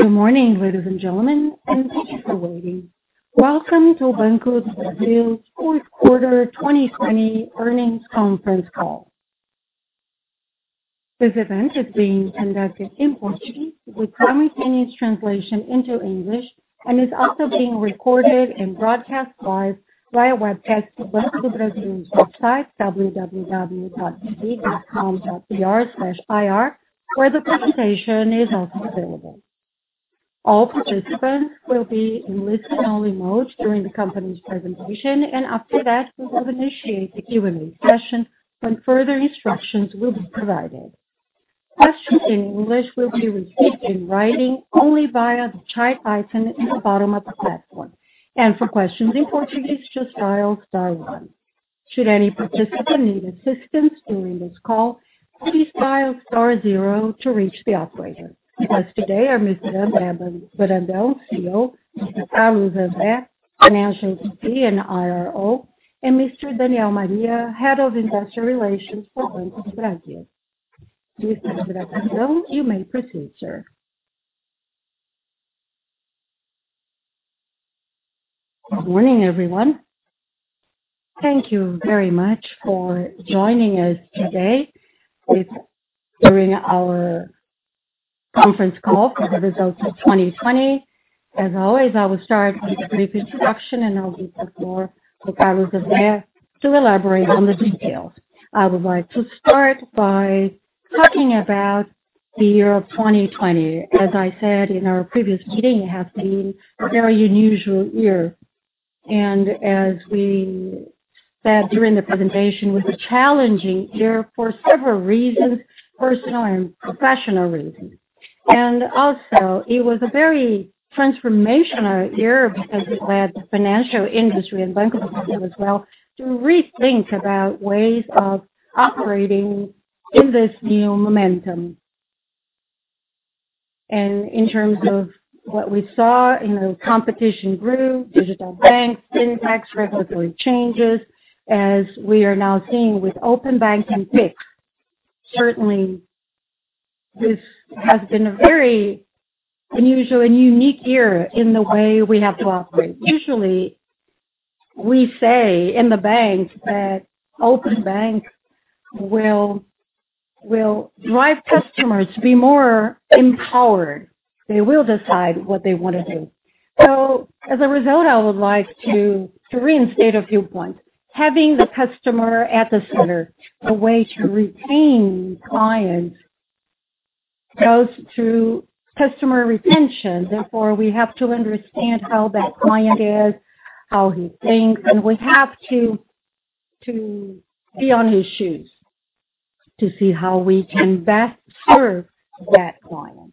Good morning, ladies and gentlemen, and thank you for waiting. Welcome to Banco do Brasil, Fourth Quarter 2020 Earnings Conference Call. This event is being conducted in Portuguese with simultaneous translation into English and is also being recorded and broadcast live via webcast to Banco do Brasil's website, www.bb.com.br/ir, where the presentation is also available. All participants will be in listen-only mode during the company's presentation, and after that, we will initiate the Q&A session when further instructions will be provided. Questions in English will be received in writing only via the chat icon at the bottom of the platform, and for questions in Portuguese, just dial star one. Should any participant need assistance during this call, please dial star zero to reach the operator. As of today, our Mr. André Brandão, CEO; Carlos André, Financial VP and IRO, and Mr. Daniel Maria, Head of Investor Relations for Banco do Brasil. With that introduction, you may proceed, sir. Good morning, everyone. Thank you very much for joining us today during our conference call for the results of 2020. As always, I will start with a brief introduction, and I'll be before Carlos André to elaborate on the details. I would like to start by talking about the year of 2020. As I said in our previous meeting, it has been a very unusual year, and as we said during the presentation, it was a challenging year for several reasons, personal and professional reasons. And also, it was a very transformational year because it led the financial industry and Banco do Brasil as well to rethink about ways of operating in this new momentum. And in terms of what we saw, competition grew, digital banks, fintechs, regulatory changes, as we are now seeing with Open Banking, Pix. Certainly, this has been a very unusual and unique year in the way we have to operate. Usually, we say in the bank that Open Banking will drive customers to be more empowered. They will decide what they want to do. So, as a result, I would like to reinstate a few points. Having the customer at the center, a way to retain clients goes to customer retention. Therefore, we have to understand how that client is, how he thinks, and we have to be on his shoes to see how we can best serve that client.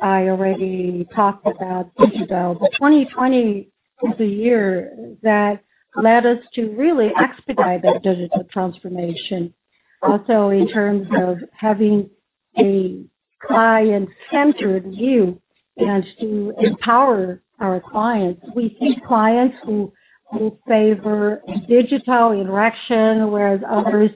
I already talked about digital. 2020 is a year that led us to really expedite that digital transformation. Also, in terms of having a client-centered view and to empower our clients, we see clients who will favor digital interaction, whereas others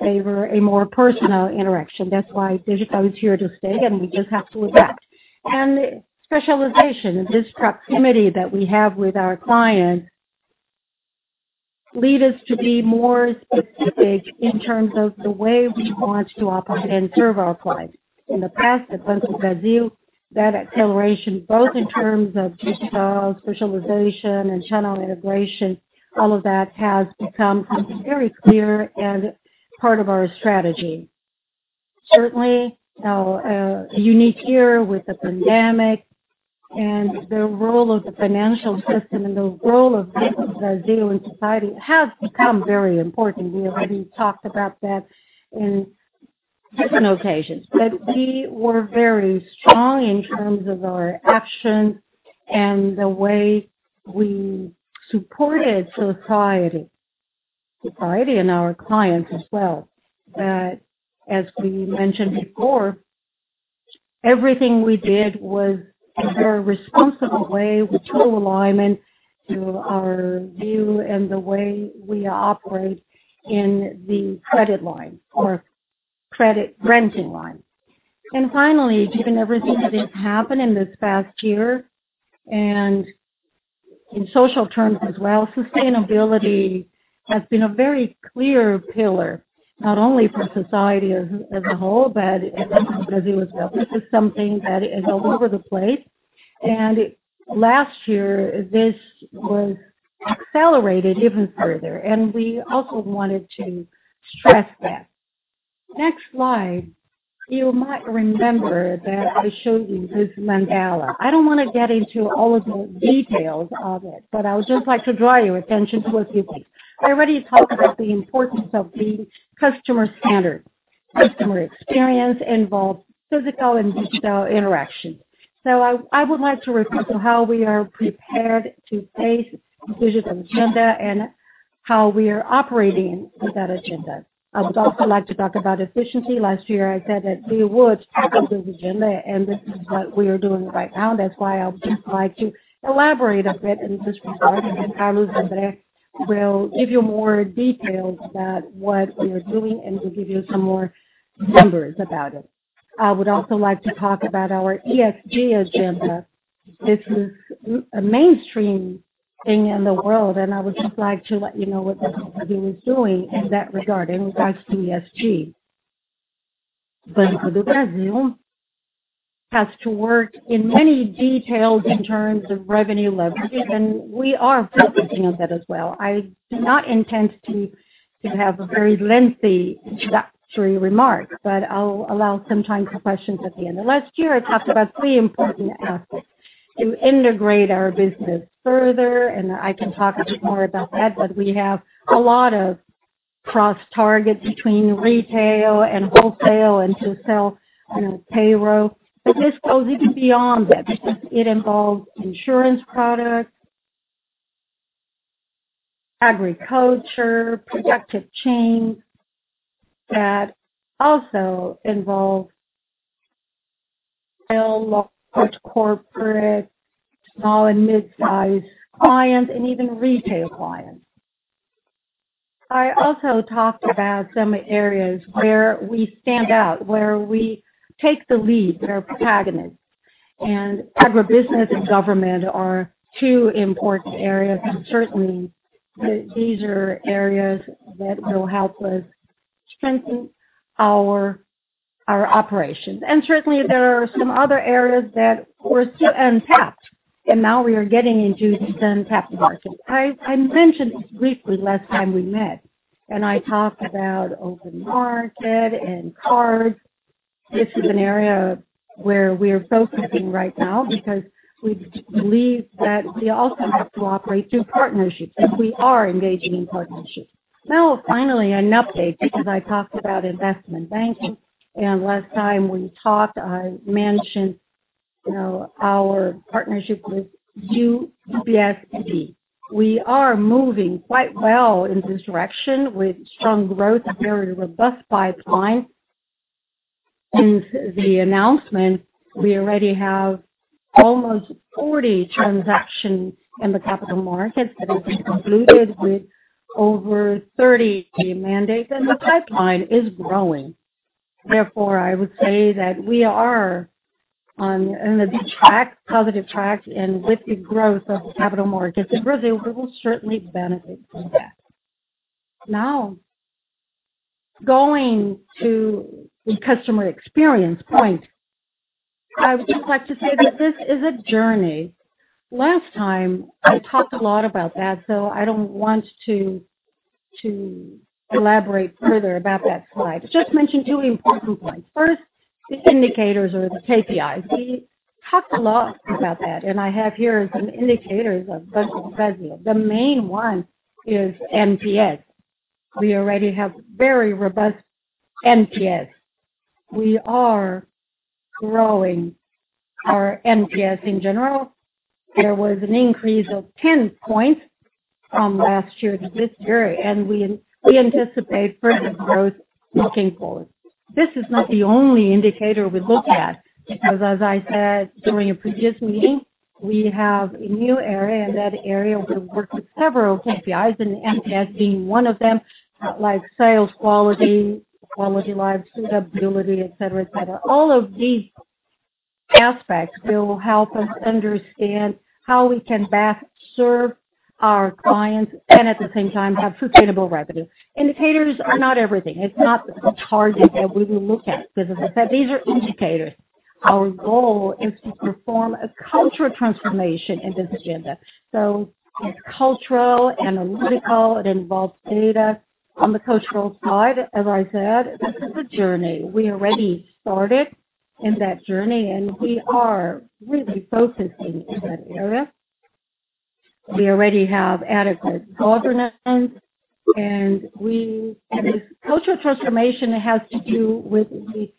favor a more personal interaction. That's why digital is here to stay, and we just have to adapt. And specialization and this proximity that we have with our clients lead us to be more specific in terms of the way we want to operate and serve our clients. In the past, at Banco do Brasil, that acceleration, both in terms of digital specialization and channel integration, all of that has become very clear and part of our strategy. Certainly, a unique year with the pandemic and the role of the financial system and the role of Banco do Brasil in society has become very important. We already talked about that on different occasions, but we were very strong in terms of our actions and the way we supported society and our clients as well. As we mentioned before, everything we did was in a very responsible way with true alignment to our view and the way we operate in the credit line or credit-granting line. And finally, given everything that has happened in this past year and in social terms as well, sustainability has been a very clear pillar, not only for society as a whole, but as it was. This is something that is all over the place, and last year, this was accelerated even further, and we also wanted to stress that. Next slide. You might remember that I showed you this mandala. I don't want to get into all of the details of it, but I would just like to draw your attention to a few things. I already talked about the importance of the customer standpoint. Customer experience involves physical and digital interaction. So I would like to refer to how we are prepared to face the digital agenda and how we are operating with that agenda. I would also like to talk about efficiency. Last year, I said that we would follow this agenda, and this is what we are doing right now. That's why I would like to elaborate a bit in this regard, and Carlos André will give you more details about what we are doing, and he'll give you some more numbers about it. I would also like to talk about our ESG agenda. This is a mainstream thing in the world, and I would just like to let you know what Banco do Brasil is doing in that regard in regards to ESG. Banco do Brasil has to work in many details in terms of revenue leverage, and we are focusing on that as well. I do not intend to have a very lengthy introductory remark, but I'll allow some time for questions at the end. Last year, I talked about three important aspects to integrate our business further, and I can talk a bit more about that, but we have a lot of cross-selling between retail and wholesale and payroll. But this goes even beyond that because it involves insurance products, agriculture, productive chain that also involves small, large corporate, small and mid-sized clients, and even retail clients. I also talked about some areas where we stand out, where we take the lead, where we're protagonists. And agribusiness and government are two important areas, and certainly, these are areas that will help us strengthen our operations. And certainly, there are some other areas that were still untapped, and now we are getting into this untapped market. I mentioned this briefly last time we met, and I talked about Open Banking and cards. This is an area where we are focusing right now because we believe that we also have to operate through partnerships if we are engaging in partnerships. Now, finally, an update because I talked about investment banking, and last time we talked, I mentioned our partnership with UBS BB. We are moving quite well in this direction with strong growth, very robust pipeline. Since the announcement, we already have almost 40 transactions in the capital markets that have been concluded with over 30 mandates, and the pipeline is growing. Therefore, I would say that we are on a good track, positive track, and with the growth of the capital markets, Brazil will certainly benefit from that. Now, going to the customer experience point, I would just like to say that this is a journey. Last time, I talked a lot about that, so I don't want to elaborate further about that slide. I just mentioned two important points. First, the indicators or the KPIs. We talked a lot about that, and I have here some indicators of Banco do Brasil. The main one is NPS. We already have very robust NPS. We are growing our NPS in general. There was an increase of 10 points from last year to this year, and we anticipate further growth looking forward. This is not the only indicator we look at because, as I said during a previous meeting, we have a new area, and that area will work with several KPIs, and NPS being one of them, like sales quality, quality lives, suitability, etc. All of these aspects will help us understand how we can best serve our clients and, at the same time, have sustainable revenue. Indicators are not everything. It's not the target that we will look at because, as I said, these are indicators. Our goal is to perform a cultural transformation in this agenda. So it's cultural, analytical. It involves data on the cultural side. As I said, this is a journey. We already started in that journey, and we are really focusing in that area. We already have adequate governance, and this cultural transformation has to do with the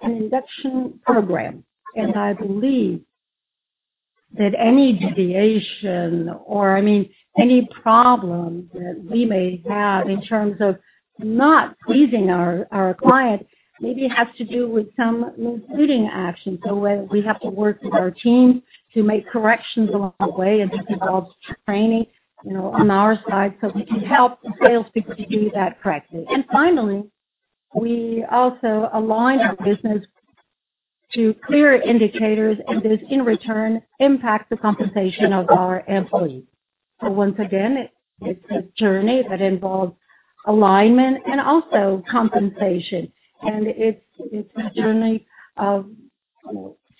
induction program. And I believe that any deviation or, I mean, any problem that we may have in terms of not pleasing our client maybe has to do with some including actions. So we have to work with our team to make corrections along the way, and this involves training on our side so we can help salespeople do that correctly. And finally, we also align our business to clear indicators, and this, in return, impacts the compensation of our employees. So once again, it's a journey that involves alignment and also compensation, and it's a journey of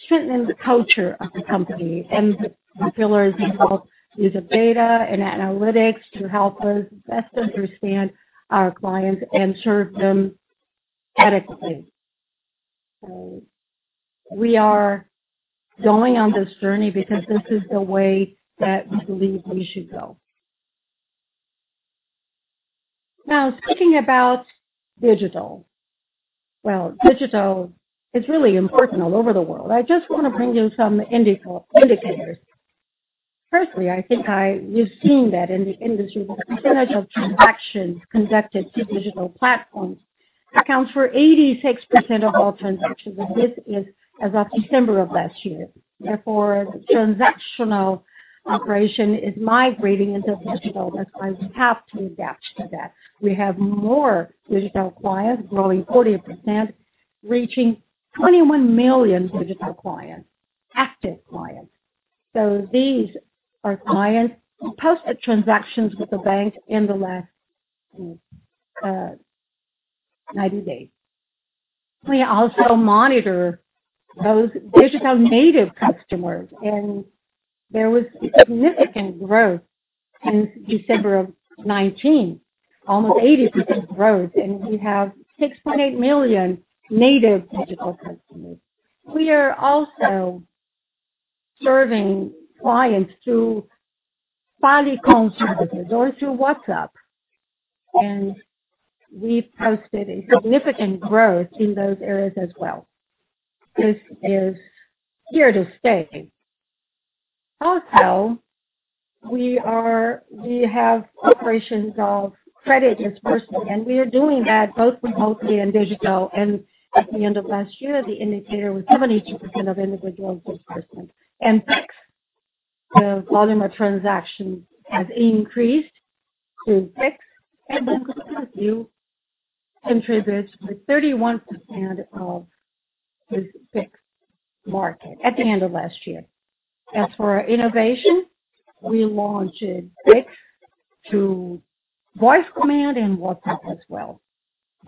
strengthening the culture of the company. And the pillars involve using data and analytics to help us best understand our clients and serve them adequately. So we are going on this journey because this is the way that we believe we should go. Now, speaking about digital, well, digital is really important all over the world. I just want to bring you some indicators. Firstly, I think we've seen that in the industry, the percentage of transactions conducted through digital platforms accounts for 86% of all transactions, and this is as of December of last year. Therefore, transactional operation is migrating into digital. That's why we have to adapt to that. We have more digital clients, growing 40%, reaching 21 million digital clients, active clients. So these are clients posted transactions with the bank in the last 90 days. We also monitor those digital native customers, and there was significant growth since December of 2019, almost 80% growth, and we have 6.8 million native digital customers. We are also serving clients through File Consultants or through WhatsApp, and we posted a significant growth in those areas as well. This is here to stay. Also, we have operations of credit disbursement, and we are doing that both remotely and digital. At the end of last year, the indicator was 72% of individual disbursement. Pix, the volume of transactions has increased to Pix, and Banco do Brasil contributes with 31% of this Pix market at the end of last year. As for innovation, we launched Pix through voice command and WhatsApp as well.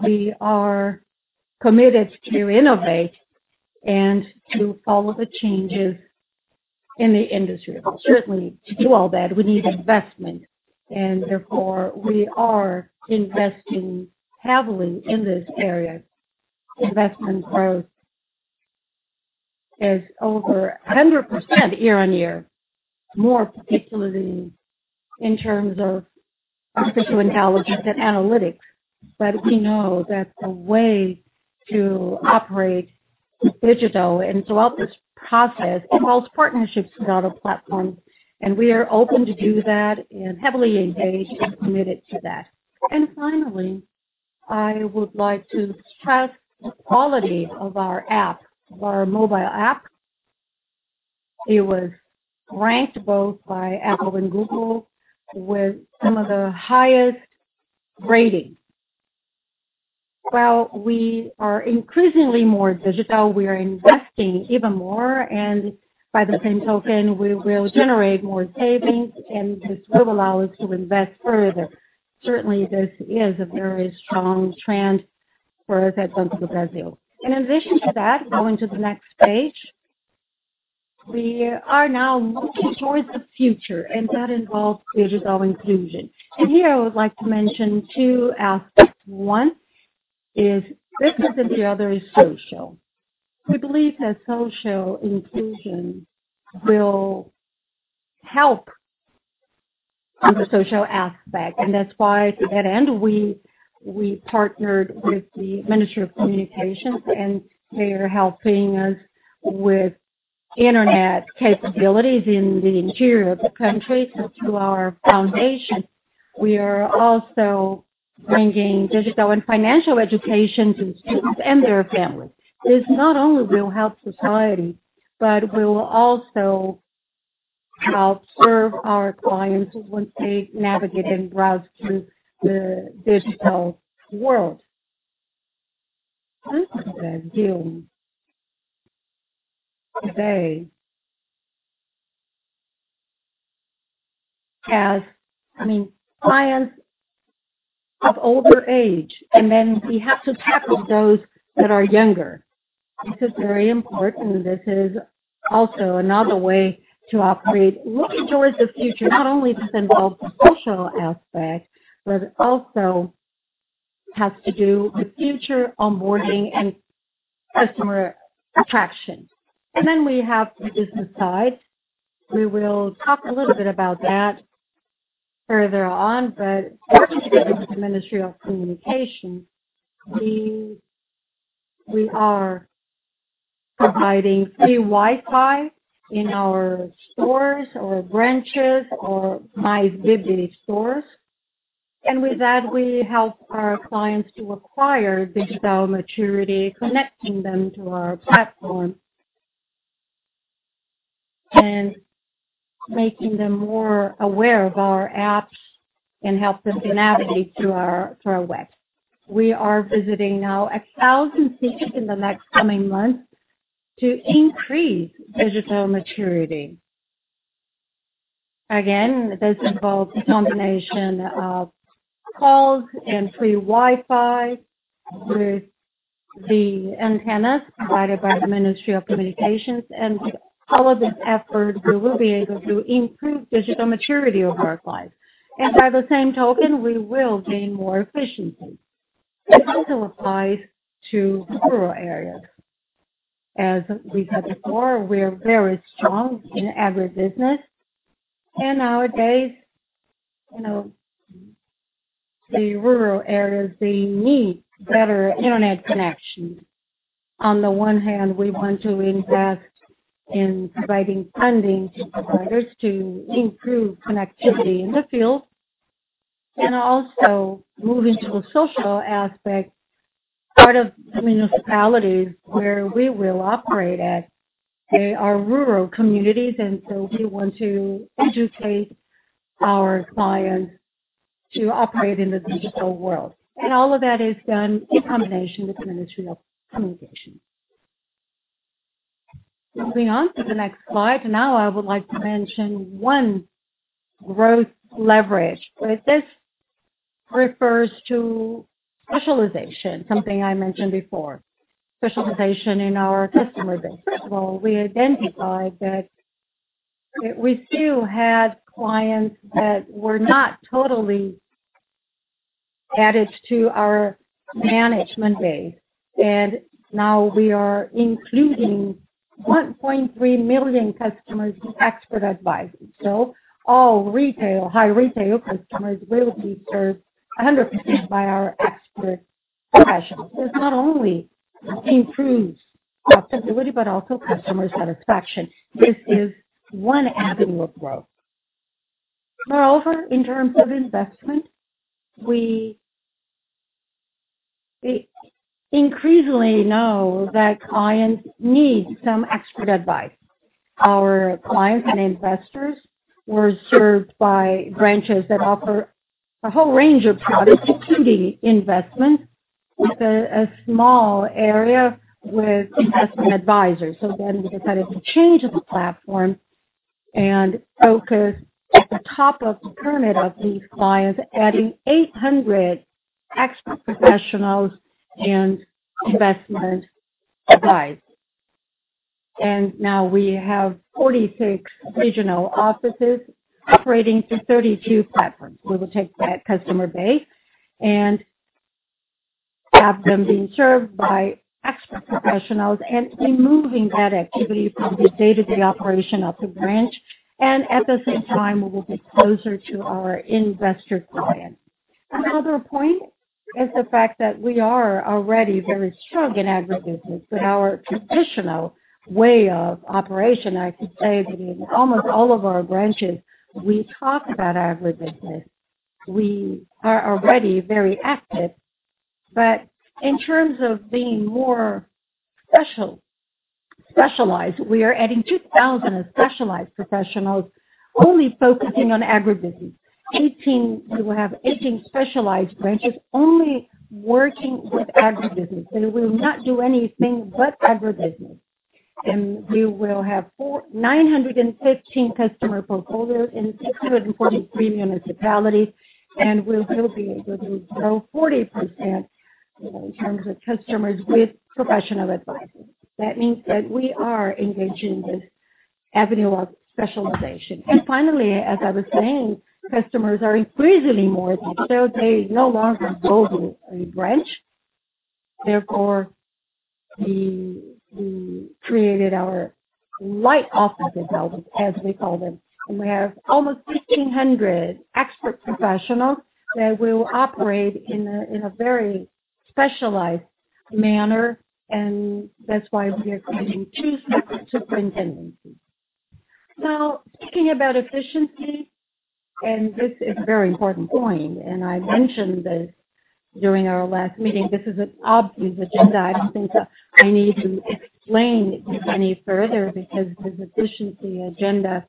We are committed to innovate and to follow the changes in the industry. Certainly, to do all that, we need investment, and therefore, we are investing heavily in this area. Investment growth is over 100% year on year, more particularly in terms of artificial intelligence and analytics. But we know that the way to operate digital and throughout this process involves partnerships with other platforms, and we are open to do that and heavily engaged and committed to that. Finally, I would like to stress the quality of our app, of our mobile app. It was ranked both by Apple and Google with some of the highest ratings. While we are increasingly more digital, we are investing even more, and by the same token, we will generate more savings, and this will allow us to invest further. Certainly, this is a very strong trend for us at Banco do Brasil. In addition to that, going to the next page, we are now looking towards the future, and that involves digital inclusion. And here, I would like to mention two aspects. One is business, and the other is social. We believe that social inclusion will help on the social aspect, and that's why to that end, we partnered with the Ministry of Communications, and they are helping us with internet capabilities in the interior of the country. So through our foundation, we are also bringing digital and financial education to students and their families. This not only will help society, but will also help serve our clients once they navigate and browse through the digital world. Banco do Brasil today has, I mean, clients of older age, and then we have to tackle those that are younger. This is very important. This is also another way to operate looking towards the future. Not only does it involve the social aspect, but it also has to do with future onboarding and customer attraction. And then we have the business side. We will talk a little bit about that further on, but working together with the Ministry of Communications, we are providing free Wi-Fi in our stores or branches or Mais BB stores. And with that, we help our clients to acquire digital maturity, connecting them to our platform and making them more aware of our apps and help them to navigate through our web. We are visiting now 1,000 cities in the next coming months to increase digital maturity. Again, this involves a combination of calls and free Wi-Fi with the antennas provided by the Ministry of Communications, and with all of this effort, we will be able to improve digital maturity of our clients, and by the same token, we will gain more efficiency. This also applies to rural areas. As we said before, we are very strong in agribusiness, and nowadays, the rural areas, they need better internet connections. On the one hand, we want to invest in providing funding to providers to improve connectivity in the field and also moving to a social aspect. Part of the municipalities where we will operate at are rural communities, and so we want to educate our clients to operate in the digital world. All of that is done in combination with the Ministry of Communications. Moving on to the next slide. Now, I would like to mention one growth leverage, but this refers to specialization, something I mentioned before, specialization in our customer base. First of all, we identified that we still had clients that were not totally added to our management base, and now we are including 1.3 million customers with expert advisors. So all retail, high retail customers will be served 100% by our expert professionals. This not only improves profitability, but also customer satisfaction. This is one avenue of growth. Moreover, in terms of investment, we increasingly know that clients need some expert advice. Our clients and investors were served by branches that offer a whole range of products, including investments, with a small area with investment advisors. So then we decided to change the platform and focus at the top of the pyramid of these clients, adding 800 expert professionals and investment advisors. And now we have 46 regional offices operating through 32 platforms. We will take that customer base and have them being served by expert professionals and removing that activity from the day-to-day operation of the branch. And at the same time, we will be closer to our investor clients. Another point is the fact that we are already very strong in agribusiness, but our traditional way of operation, I should say, that in almost all of our branches, we talk about agribusiness. We are already very active, but in terms of being more specialized, we are adding 2,000 specialized professionals only focusing on agribusiness. We will have 18 specialized branches only working with agribusiness. They will not do anything but agribusiness. We will have 915 customer portfolios in 643 municipalities, and we will be able to grow 40% in terms of customers with professional advisors. That means that we are engaging this avenue of specialization. Finally, as I was saying, customers are increasingly more advanced, so they no longer go to a branch. Therefore, we created our light offices, as we call them, and we have almost 1,500 expert professionals that will operate in a very specialized manner, and that's why we are creating two separate superintendencies. Now, speaking about efficiency, and this is a very important point, and I mentioned this during our last meeting, this is an obvious agenda. I don't think I need to explain any further because this efficiency agenda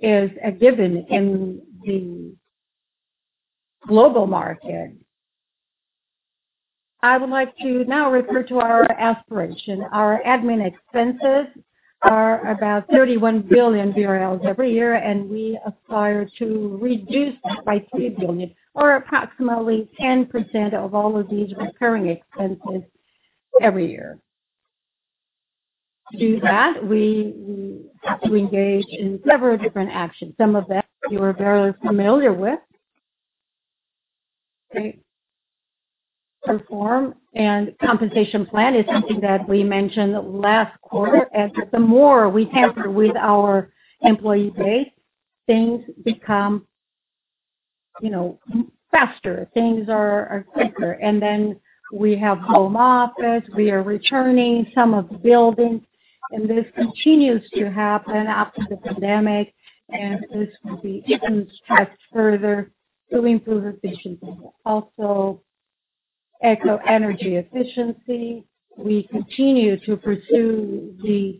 is a given in the global market. I would like to now refer to our aspiration. Our administrative expenses are about 31 billion BRL every year, and we aspire to reduce by 3 billion, or approximately 10% of all of these recurring expenses every year. To do that, we have to engage in several different actions. Some of that you are very familiar with. Right? Performance and compensation plan is something that we mentioned last quarter. As the more we trim our employee base, things become faster, things are quicker, and then we have home office, we are returning some of the buildings, and this continues to happen after the pandemic, and this will be even stressed further to improve efficiency. Also, energy efficiency, we continue to pursue these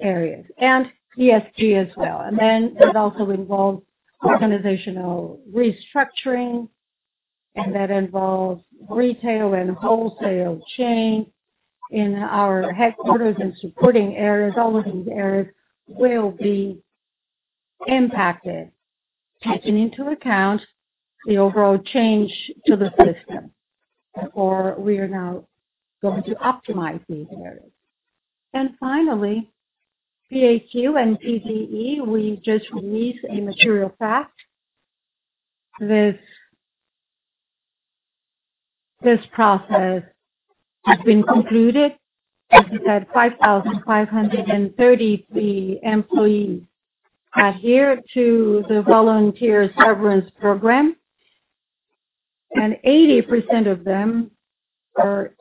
areas and ESG as well, and then it also involves organizational restructuring, and that involves retail and wholesale as in our headquarters and supporting areas. All of these areas will be impacted, taking into account the overall change to the system. Therefore, we are now going to optimize these areas. And finally, PAQ and PDE, we just released a material fact. This process has been concluded. As I said, 5,533 employees are here to the volunteer severance program, and 80% of them are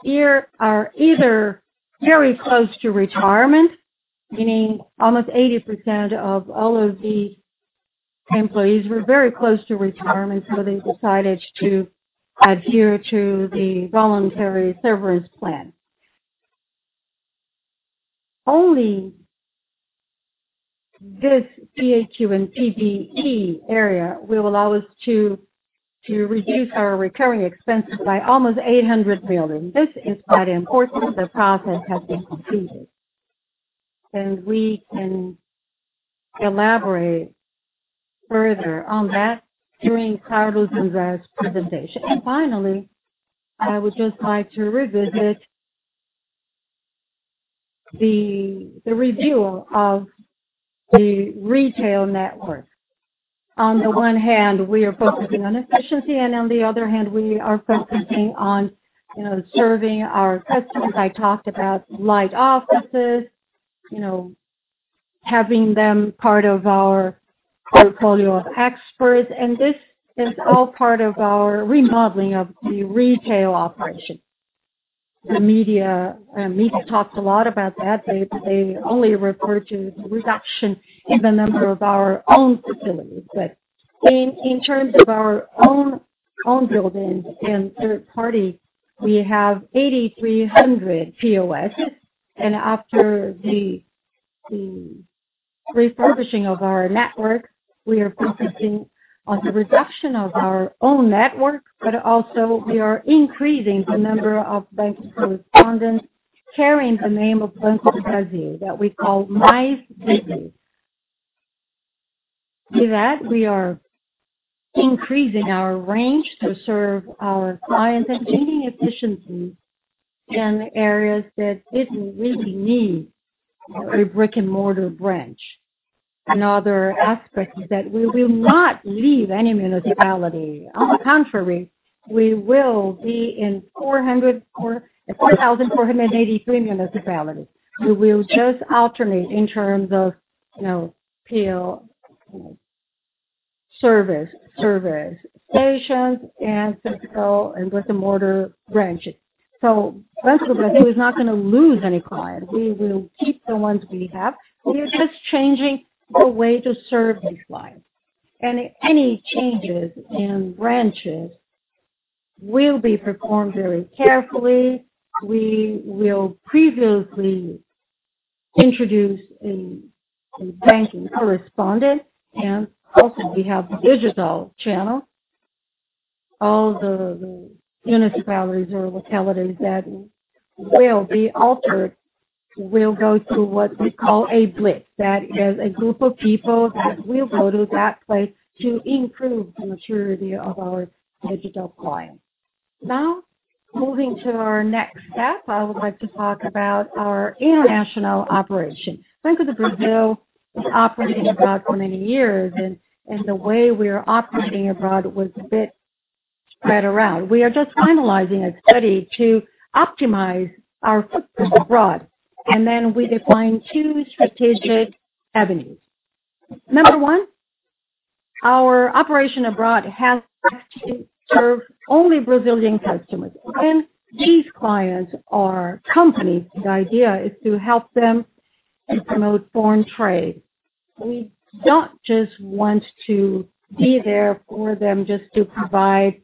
either very close to retirement, meaning almost 80% of all of the employees were very close to retirement, so they decided to adhere to the voluntary severance plan. Only this PAQ and PDE area will allow us to reduce our recurring expenses by almost 800 billion. This is quite important. The process has been completed, and we can elaborate further on that during Carlos André's presentation. And finally, I would just like to revisit the review of the retail network. On the one hand, we are focusing on efficiency, and on the other hand, we are focusing on serving our customers. I talked about light offices, having them part of our portfolio of experts, and this is all part of our remodeling of the retail operation. The media talks a lot about that. They only refer to the reduction in the number of our own facilities. But in terms of our own buildings and third party, we have 8,300 POS, and after the refurbishing of our network, we are focusing on the reduction of our own network, but also we are increasing the number of Banco correspondents carrying the name of Banco do Brasil that we call Mais BB. With that, we are increasing our range to serve our clients and gaining efficiency in areas that didn't really need a brick-and-mortar branch. Another aspect is that we will not leave any municipality. On the contrary, we will be in 4,483 municipalities. We will just alternate in terms of PO service, service stations, and physical and brick-and-mortar branches. So Banco do Brasil is not going to lose any clients. We will keep the ones we have. We are just changing the way to serve these clients. And any changes in branches will be performed very carefully. We will previously introduce a banking correspondent, and also we have a digital channel. All the municipalities or localities that will be altered will go through what we call a Blitz. That is a group of people that will go to that place to improve the maturity of our digital clients. Now, moving to our next step, I would like to talk about our international operation. Banco do Brasil is operating abroad for many years, and the way we are operating abroad was a bit spread around. We are just finalizing a study to optimize our footprint abroad, and then we defined two strategic avenues. Number one, our operation abroad has to serve only Brazilian customers. Again, these clients are companies. The idea is to help them and promote foreign trade. We don't just want to be there for them just to provide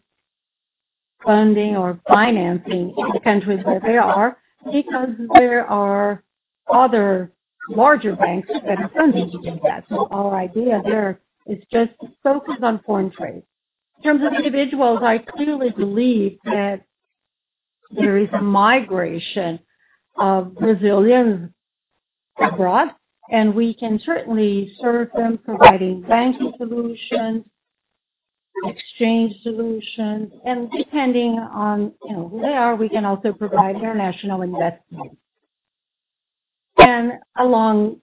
funding or financing in the countries where they are because there are other larger banks that are funding to do that. So our idea there is just focus on foreign trade. In terms of individuals, I truly believe that there is a migration of Brazilians abroad, and we can certainly serve them providing banking solutions, exchange solutions, and depending on who they are, we can also provide international investment. Along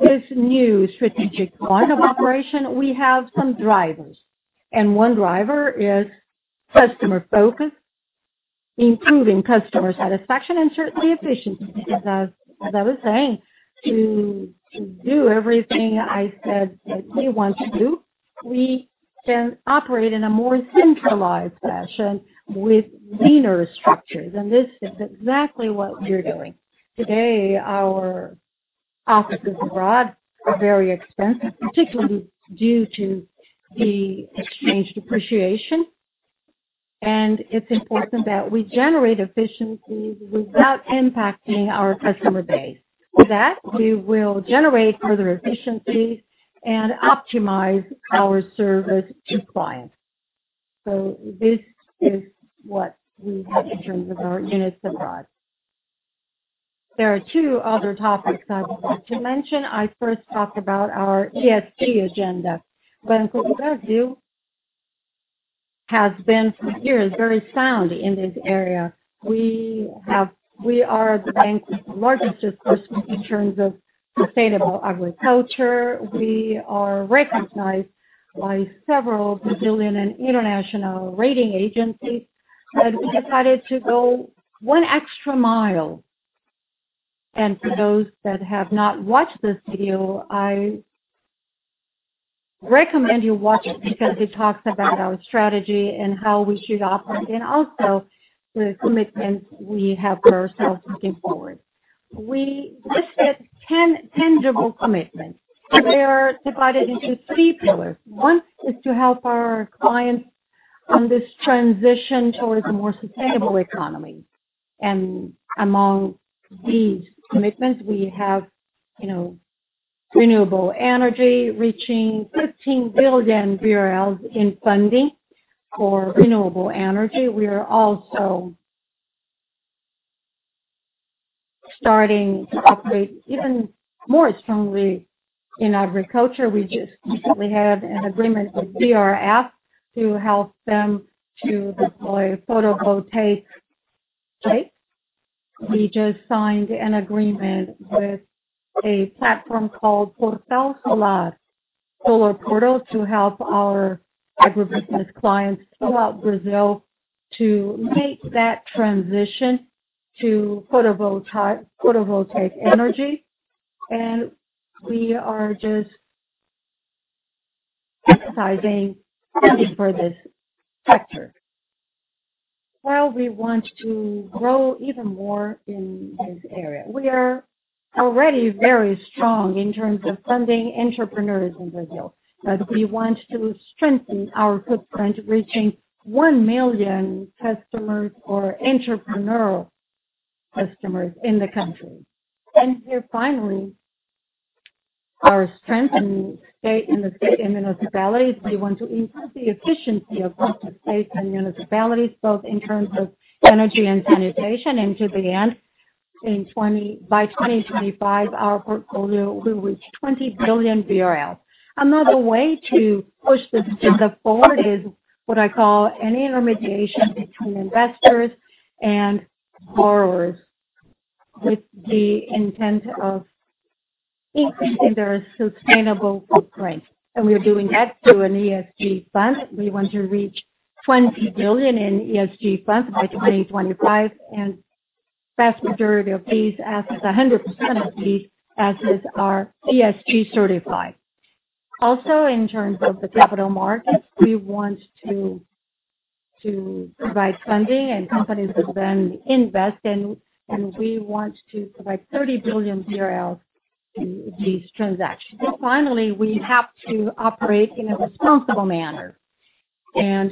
this new strategic line of operation, we have some drivers. One driver is customer focus, improving customer satisfaction, and certainly efficiency. As I was saying, to do everything I said that we want to do, we can operate in a more centralized fashion with leaner structures, and this is exactly what we're doing. Today, our offices abroad are very expensive, particularly due to the exchange depreciation, and it's important that we generate efficiencies without impacting our customer base. With that, we will generate further efficiencies and optimize our service to clients. This is what we have in terms of our units abroad. There are two other topics I would like to mention. I first talked about our ESG agenda. Banco do Brasil has been for years very sound in this area. We are the bank's largest in terms of sustainable agriculture. We are recognized by several Brazilian and international rating agencies, and we decided to go one extra mile, and for those that have not watched this video, I recommend you watch it because it talks about our strategy and how we should operate and also the commitments we have for ourselves moving forward. We listed tangible commitments. They are divided into three pillars. One is to help our clients on this transition towards a more sustainable economy, and among these commitments, we have renewable energy reaching 15 billion BRL in funding for renewable energy. We are also starting to operate even more strongly in agriculture. We just recently had an agreement with BRF to help them to deploy photovoltaics. We just signed an agreement with a platform called Portal Solar, Solar Portal, to help our agribusiness clients throughout Brazil to make that transition to photovoltaic energy. And we are just emphasizing funding for this sector while we want to grow even more in this area. We are already very strong in terms of funding entrepreneurs in Brazil, but we want to strengthen our footprint, reaching 1 million customers or entrepreneurial customers in the country. And finally, our strength in the state and municipalities, we want to increase the efficiency of both the state and municipalities, both in terms of energy and sanitation. And to the end, by 2025, our portfolio will reach 20 billion BRL. Another way to push this further forward is what I call an intermediation between investors and borrowers with the intent of increasing their sustainable footprint. And we're doing that through an ESG fund. We want to reach 20 billion in ESG funds by 2025, and the vast majority of these assets, 100% of these assets, are ESG certified. Also, in terms of the capital markets, we want to provide funding and companies to then invest, and we want to provide 30 billion BRL in these transactions. Finally, we have to operate in a responsible manner, and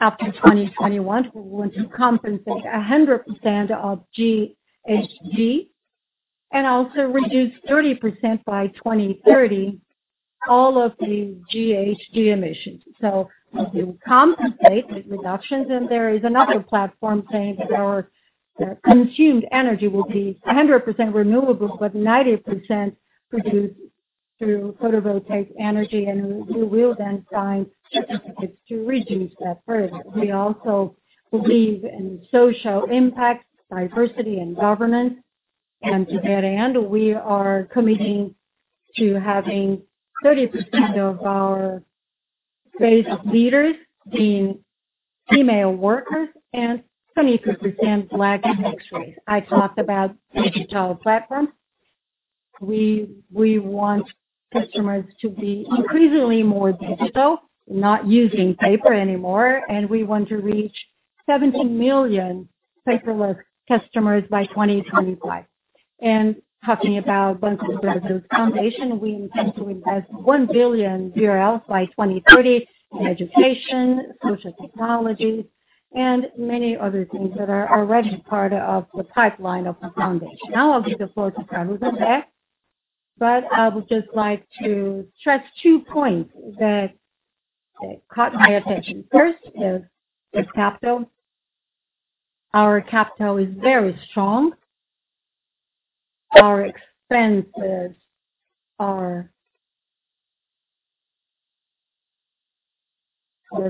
after 2021, we want to compensate 100% of GHG and also reduce 30% by 2030, all of the GHG emissions. We will compensate with reductions, and there is another platform saying that our consumed energy will be 100% renewable, but 90% produced through photovoltaic energy, and we will then find certificates to reduce that further. We also believe in social impact, diversity, and governance. To that end, we are committing to having 30% of our base leaders being female workers and 22% Black and mixed race. I talked about the digital platform. We want customers to be increasingly more digital, not using paper anymore, and we want to reach 17 million paperless customers by 2025. Talking about Fundação Banco do Brasil, we intend to invest 1 billion BRL by 2030 in education, social technologies, and many other things that are already part of the pipeline of the foundation. Now, I'll give the floor to Carlos André and André, but I would just like to stress two points that caught my attention. First is the capital. Our capital is very strong. Our expenses are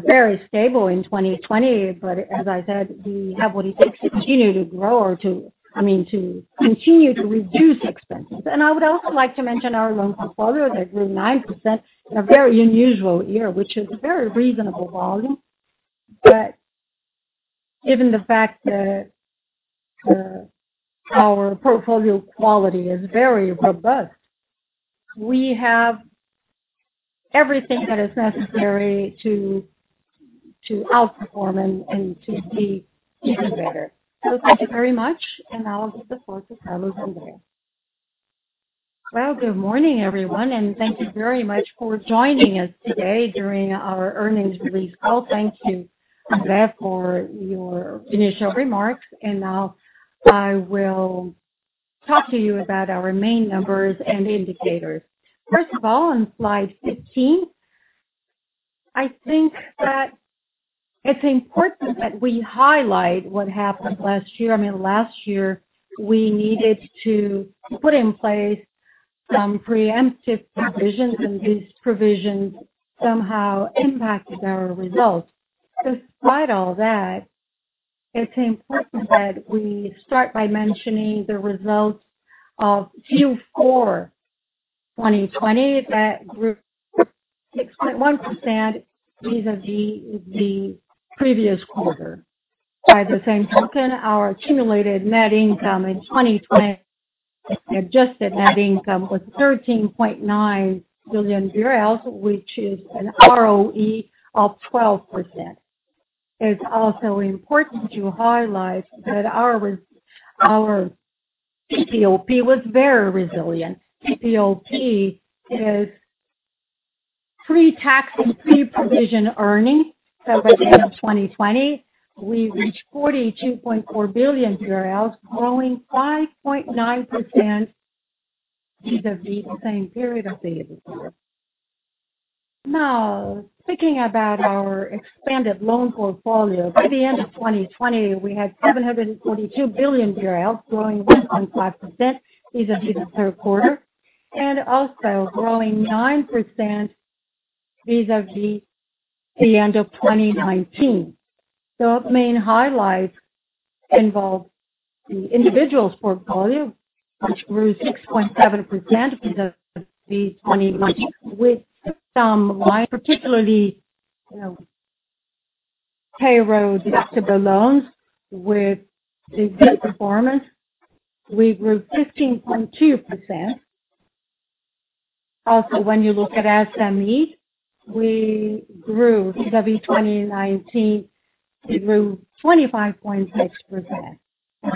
very stable in 2020, but as I said, we have what it takes to continue to grow or to, I mean, to continue to reduce expenses. I would also like to mention our loan portfolio that grew 9% in a very unusual year, which is a very reasonable volume. But given the fact that our portfolio quality is very robust, we have everything that is necessary to outperform and to be even better. So thank you very much, and I'll give the floor to Carlos André. Good morning, everyone, and thank you very much for joining us today during our earnings release call. Thank you André, for your initial remarks. And now I will talk to you about our main numbers and indicators. First of all, on slide 15, I think that it's important that we highlight what happened last year. I mean, last year, we needed to put in place some preemptive provisions, and these provisions somehow impacted our results. Despite all that, it's important that we start by mentioning the results of Q4 2020 that grew 6.1% vis-à-vis the previous quarter. By the same token, our accumulated net income in 2020, adjusted net income, was 13.9 billion BRL, which is an ROE of 12%. It's also important to highlight that our PPOP was very resilient. PPOP is pre-tax and pre-provision earning. So by the end of 2020, we reached 42.4 billion BRL, growing 5.9% vis-à-vis the same period of the year. Now, speaking about our expanded loan portfolio, by the end of 2020, we had 742 billion BRL, growing 1.5% vis-à-vis the third quarter, and also growing 9% vis-à-vis the end of 2019. The main highlights involve the individuals' portfolio, which grew 6.7% vis-à-vis 2019, with some, particularly payroll deductible loans with the good performance. We grew 15.2%. Also, when you look at SMEs, we grew vis-à-vis 2019, we grew 25.6%.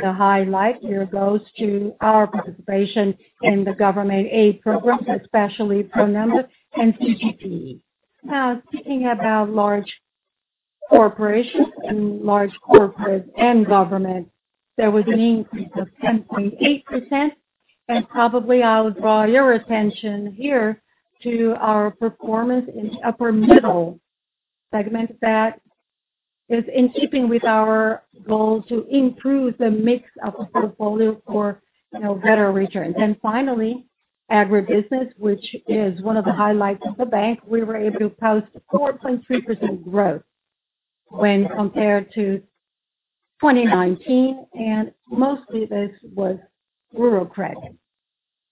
The highlight here goes to our participation in the government aid programs, especially PRONAMPE and CGPE. Now, speaking about large corporations and large corporates and government, there was an increase of 10.8%. And probably I would draw your attention here to our performance in the upper middle segment that is in keeping with our goal to improve the mix of the portfolio for better returns. And finally, agribusiness, which is one of the highlights of the bank, we were able to post 4.3% growth when compared to 2019, and mostly this was rural credit.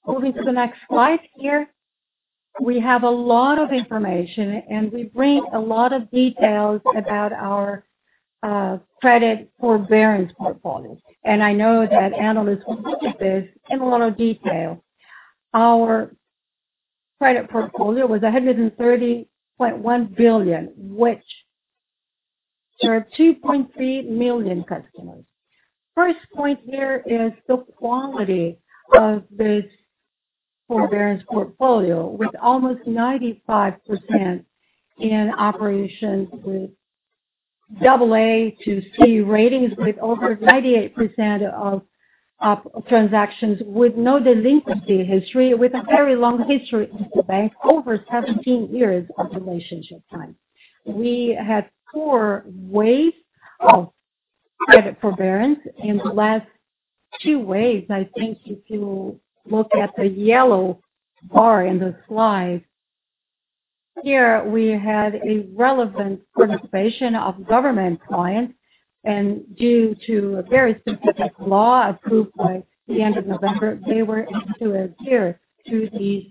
Moving to the next slide here, we have a lot of information, and we bring a lot of details about our credit forbearance portfolio. And I know that analysts will look at this in a lot of detail. Our credit portfolio was 130.1 billion, which served 2.3 million customers. First point here is the quality of this forbearance portfolio, with almost 95% in operations with AA to C ratings, with over 98% of transactions with no delinquency history, with a very long history of the bank, over 17 years of relationship time. We had four waves of credit forbearance, and the last two waves, I think if you look at the yellow bar in the slide, here we had a relevant participation of government clients. And due to a very specific law approved by the end of November, they were able to adhere to these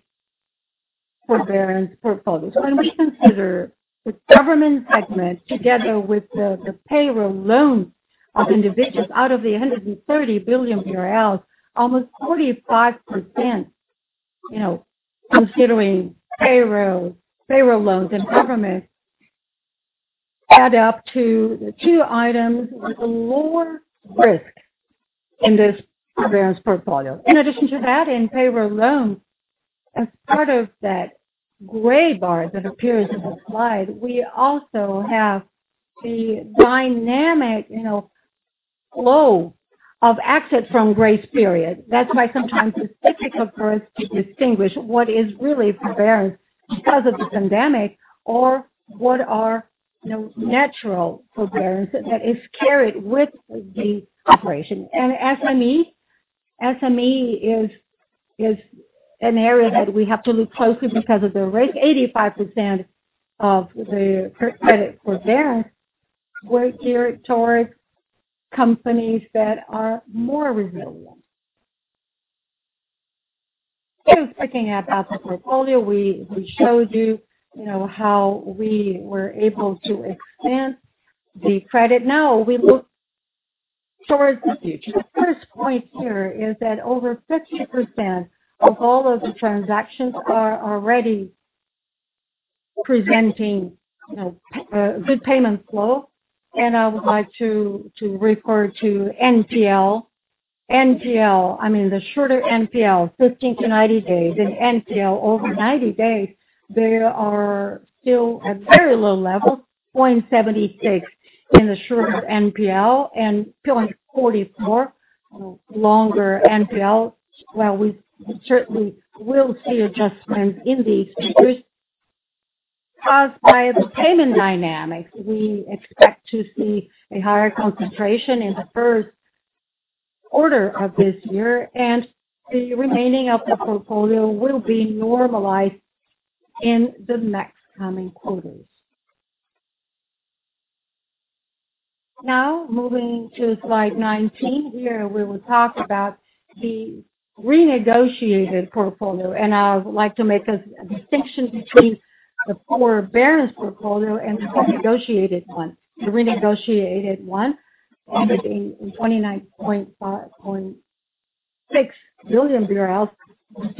forbearance portfolios. When we consider the government segment together with the payroll loans of individuals out of the 130 billion BRL, almost 45%, considering payroll loans and government, add up to the two items with the lower risk in this forbearance portfolio. In addition to that, in payroll loans, as part of that gray bar that appears in the slide, we also have the dynamic flow of exit from grace periods. That's why sometimes it's difficult for us to distinguish what is really forbearance because of the pandemic or what are natural forbearance that is carried with the operation. And SME is an area that we have to look closely because of the risk. 85% of the credit forbearance were geared towards companies that are more resilient. Speaking about the portfolio, we showed you how we were able to expand the credit. Now, we look towards the future. The first point here is that over 50% of all of the transactions are already presenting good payment flow. And I would like to refer to NPL. NPL, I mean the shorter NPL, 15-90 days, and NPL over 90 days, they are still at very low level, 0.76 in the short NPL and 0.44 longer NPL. Well, we certainly will see adjustments in these figures. As by the payment dynamics, we expect to see a higher concentration in the first quarter of this year, and the remaining of the portfolio will be normalized in the next coming quarters. Now, moving to slide 19 here, we will talk about the renegotiated portfolio. And I would like to make a distinction between the forbearance portfolio and the renegotiated one. The renegotiated one ended in BRL 29.6 billion in the base case that was included in this calculation. What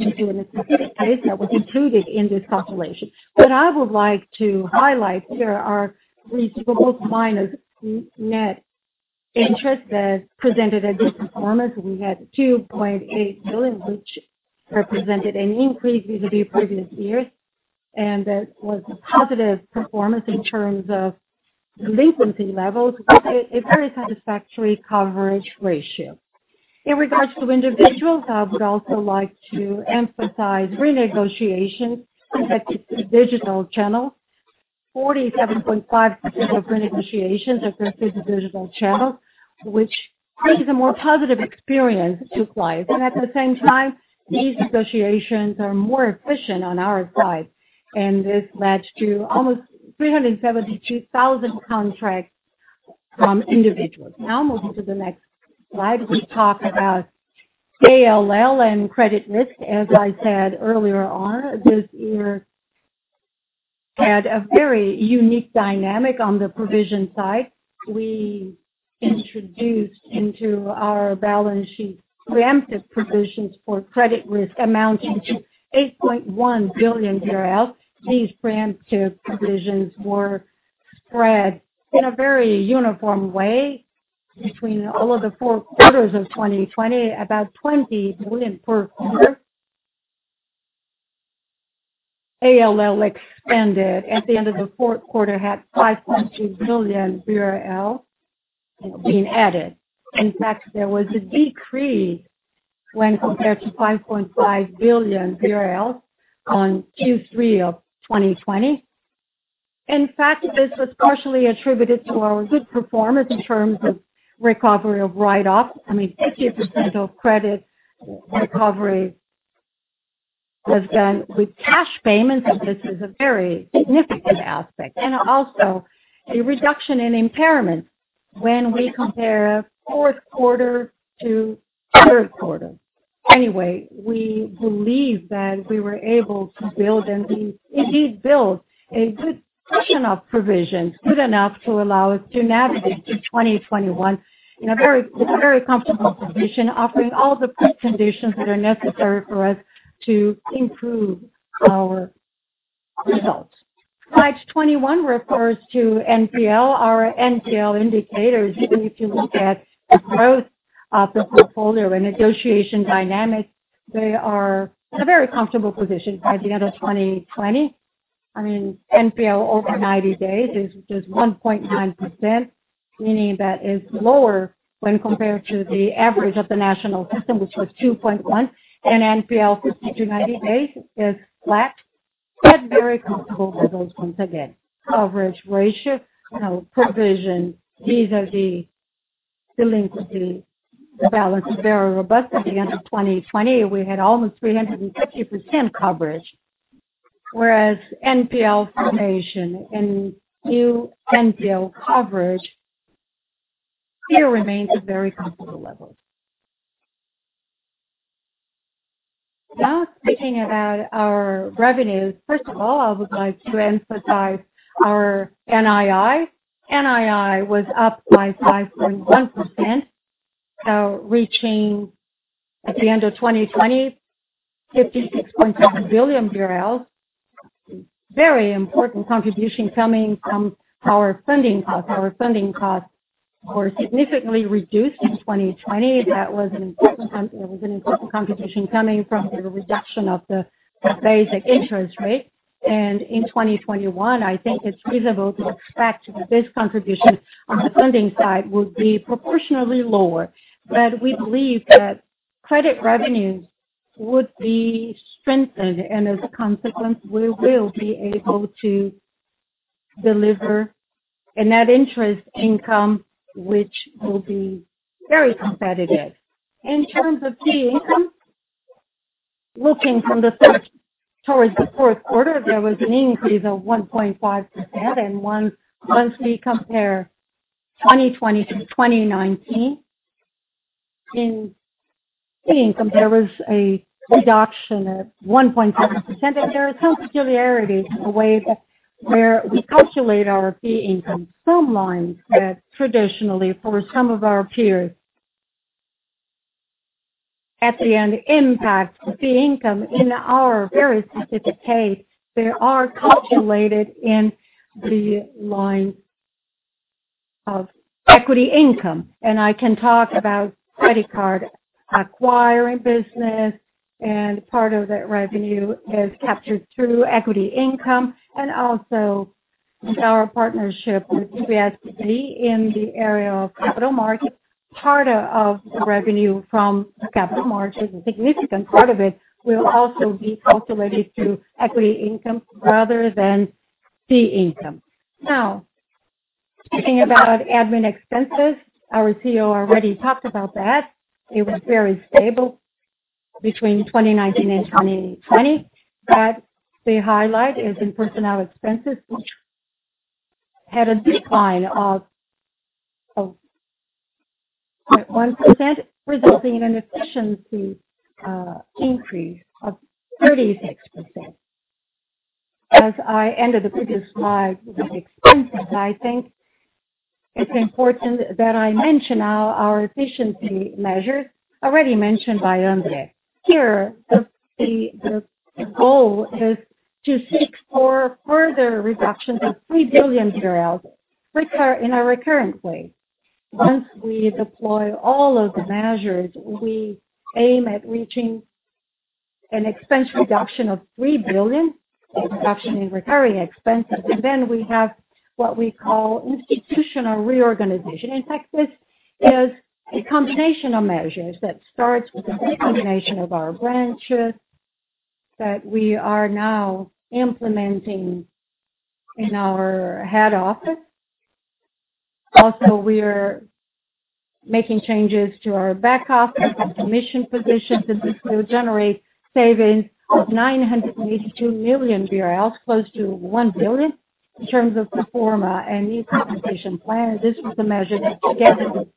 I would like to highlight here are revenues minus net interest that presented a good performance. We had 2.8 billion BRL, which represented an increase vis-à-vis previous years, and that was a positive performance in terms of delinquency levels, a very satisfactory coverage ratio. In regards to individuals, I would also like to emphasize renegotiations through digital channels. 47.5% of renegotiations are through digital channels, which creates a more positive experience to clients, and at the same time, these negotiations are more efficient on our side, and this led to almost 372,000 contracts from individuals. Now, moving to the next slide, we talk about ALL and credit risk. As I said earlier on, this year had a very unique dynamic on the provision side. We introduced into our balance sheet preemptive provisions for credit risk amounting to 8.1 billion BRL. These preemptive provisions were spread in a very uniform way between all of the four quarters of 2020, about 20 billion BRL per quarter. ALL expanded at the end of the fourth quarter, had 5.2 billion BRL being added. In fact, there was a decrease when compared to 5.5 billion BRL on Q3 of 2020. In fact, this was partially attributed to our good performance in terms of recovery of write-offs. I mean, 50% of credit recovery was done with cash payments, and this is a very significant aspect. And also, a reduction in impairment when we compare fourth quarter to third quarter. Anyway, we believe that we were able to build and indeed build a good portion of provisions, good enough to allow us to navigate to 2021 in a very comfortable position, offering all the preconditions that are necessary for us to improve our results. Slide 21 refers to NPL. Our NPL indicators, if you look at the growth of the portfolio and negotiation dynamics, they are in a very comfortable position by the end of 2020. I mean, NPL over 90 days is just 1.9%, meaning that is lower when compared to the average of the national system, which was 2.1%. And NPL 50 to 90 days is flat, but very comfortable results once again. Coverage ratio, provision, vis-à-vis delinquency balance, very robust. At the end of 2020, we had almost 350% coverage, whereas NPL formation and new NPL coverage here remains at very comfortable levels. Now, speaking about our revenues, first of all, I would like to emphasize our NII. NII was up by 5.1%, reaching at the end of 2020, 56.7 billion BRL. Very important contribution coming from our funding costs. Our funding costs were significantly reduced in 2020. That was an important contribution coming from the reduction of the basic interest rate. And in 2021, I think it's reasonable to expect that this contribution on the funding side would be proportionally lower. But we believe that credit revenues would be strengthened, and as a consequence, we will be able to deliver a net interest income, which will be very competitive. In terms of fee income, looking from the third towards the fourth quarter, there was an increase of 1.5%. And once we compare 2020 to 2019, in fee income, there was a reduction of 1.7%. And there are some peculiarities in the way that where we calculate our fee income some lines that traditionally for some of our peers at the end impact the fee income. In our very specific case, they are calculated in the lines of equity income. I can talk about credit card acquiring business, and part of that revenue is captured through equity income. Also, with our partnership with Cielo in the area of capital markets, part of the revenue from capital markets, a significant part of it, will also be calculated through equity income rather than fee income. Now, speaking about admin expenses, our CEO already talked about that. It was very stable between 2019 and 2020. The highlight is in personnel expenses, which had a decline of 0.1%, resulting in an efficiency increase of 36%. As I ended the previous slide with expenses, I think it's important that I mention now our efficiency measures already mentioned by André. Here, the goal is to seek for further reductions of 3 billion BRL in a recurrent way. Once we deploy all of the measures, we aim at reaching an expense reduction of 3 billion BRL, reduction in recurring expenses, and then we have what we call institutional reorganization. In fact, this is a combination of measures that starts with a combination of our branches that we are now implementing in our head office. Also, we are making changes to our back office and commission positions, and this will generate savings of 982 million BRL, close to 1 billion BRL in terms of the FORMA and the implementation plan. This was a measure that began with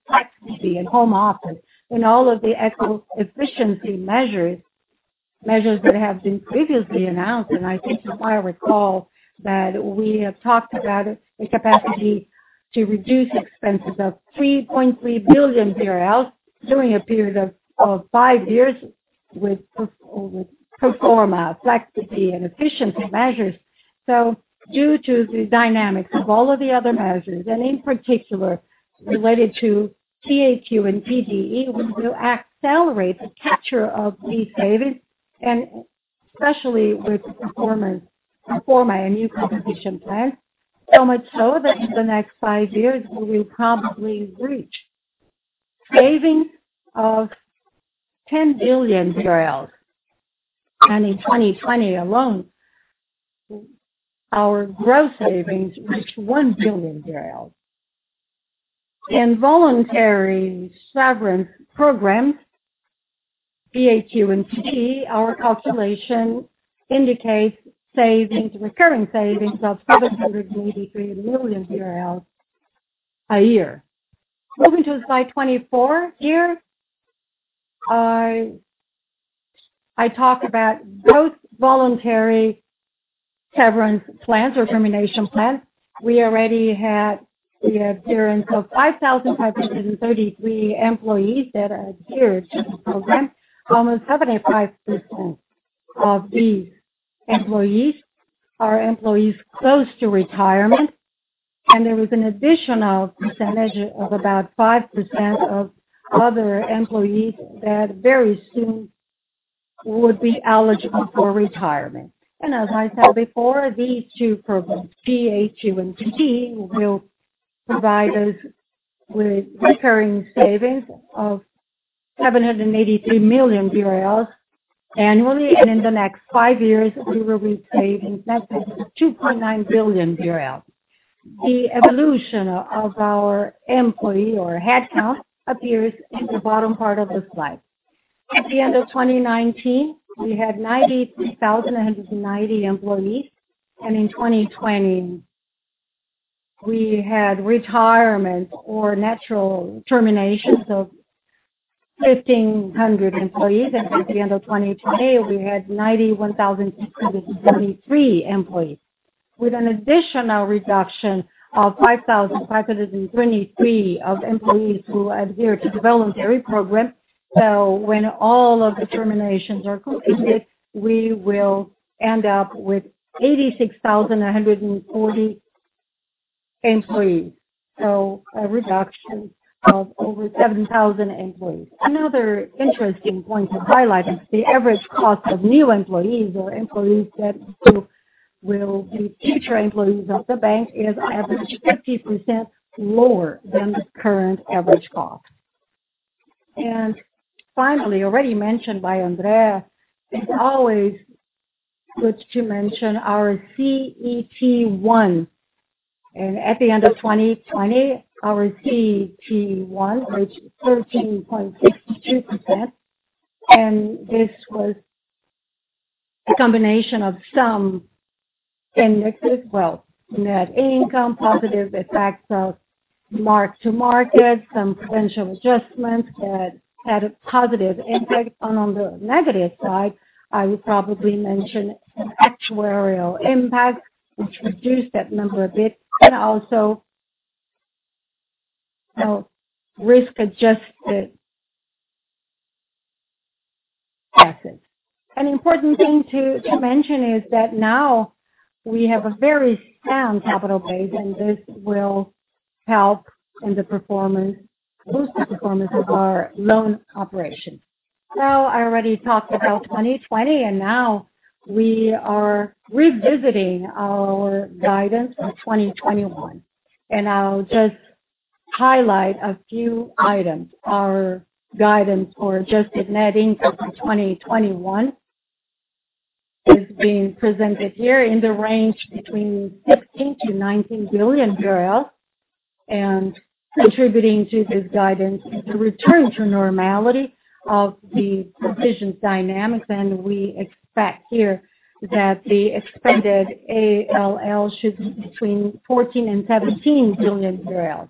the home office, and all of the actual efficiency measures that have been previously announced, and I think you might recall that we have talked about the capacity to reduce expenses of 3.3 billion BRL during a period of five years with FORMA, FlexPD, and efficiency measures. Due to the dynamics of all of the other measures, and in particular related to TAQ and TDE, we will accelerate the capture of these savings, especially with FORMA and new competition plans, so much so that in the next five years, we will probably reach savings of 10 billion BRL. In 2020 alone, our gross savings reached 1 billion BRL. In voluntary severance programs, TAQ and TDE, our calculation indicates recurring savings of 783 million BRL a year. Moving to slide 24 here, I talk about both voluntary severance plans or termination plans. We already had the appearance of 5,533 employees that are adhered to the program. Almost 75% of these employees are employees close to retirement. There was an additional percentage of about 5% of other employees that very soon would be eligible for retirement. As I said before, these two programs, PAQ and PDE, will provide us with recurring savings of 783 million BRL annually. In the next five years, we will reach savings net 2.9 billion BRL. The evolution of our employee or headcount appears in the bottom part of the slide. At the end of 2019, we had 90,190 employees. In 2020, we had retirement or natural terminations of 1,500 employees. At the end of 2020, we had 91,673 employees, with an additional reduction of 5,523 of employees who adhered to the voluntary program. When all of the terminations are completed, we will end up with 86,140 employees, so a reduction of over 7,000 employees. Another interesting point to highlight is the average cost of new employees or employees that will be future employees of the bank is average 50% lower than the current average cost. Finally, already mentioned by André, it's always good to mention our CET1. At the end of 2020, our CET1, which is 13.62%. This was a combination of some indexes, well, net income, positive effects of mark-to-market, some potential adjustments that had a positive impact. On the negative side, I would probably mention actuarial impact, which reduced that number a bit, and also risk-adjusted assets. An important thing to mention is that now we have a very sound capital base, and this will help in the performance, boost the performance of our loan operation. I already talked about 2020, and now we are revisiting our guidance for 2021. I'll just highlight a few items. Our guidance for adjusted net income for 2021 is being presented here in the range between 16 to 19 billion BRL, and contributing to this guidance is the return to normality of the provision dynamics, and we expect here that the expected ALL should be between 14 and 17 billion BRL.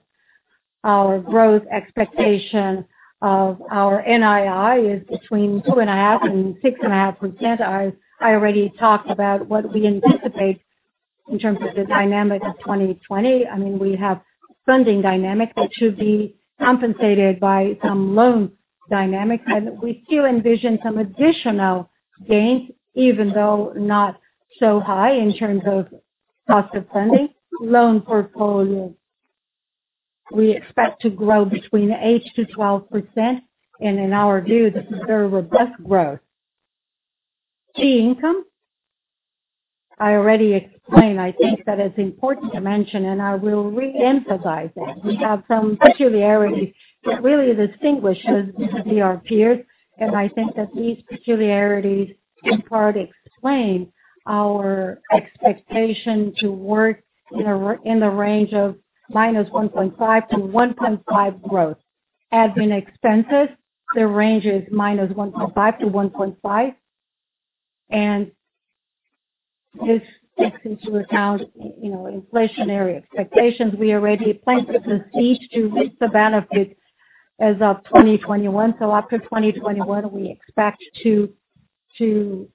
Our growth expectation of our NII is between 2.5 and 6.5%. I already talked about what we anticipate in terms of the dynamic of 2020. I mean, we have funding dynamic that should be compensated by some loan dynamics, and we still envision some additional gains, even though not so high in terms of cost of funding. Loan portfolios, we expect to grow between 8 to 12%. In our view, this is very robust growth. Fee income, I already explained. I think that it's important to mention, and I will re-emphasize that. We have some peculiarities that really distinguish us from our peers. I think that these peculiarities in part explain our expectation to work in the range of -1.5% to 1.5% growth. Admin expenses, the range is -1.5% to 1.5%. This takes into account inflationary expectations. We already planned for the CET1 ratio to benefit as of 2021. After 2021, we expect to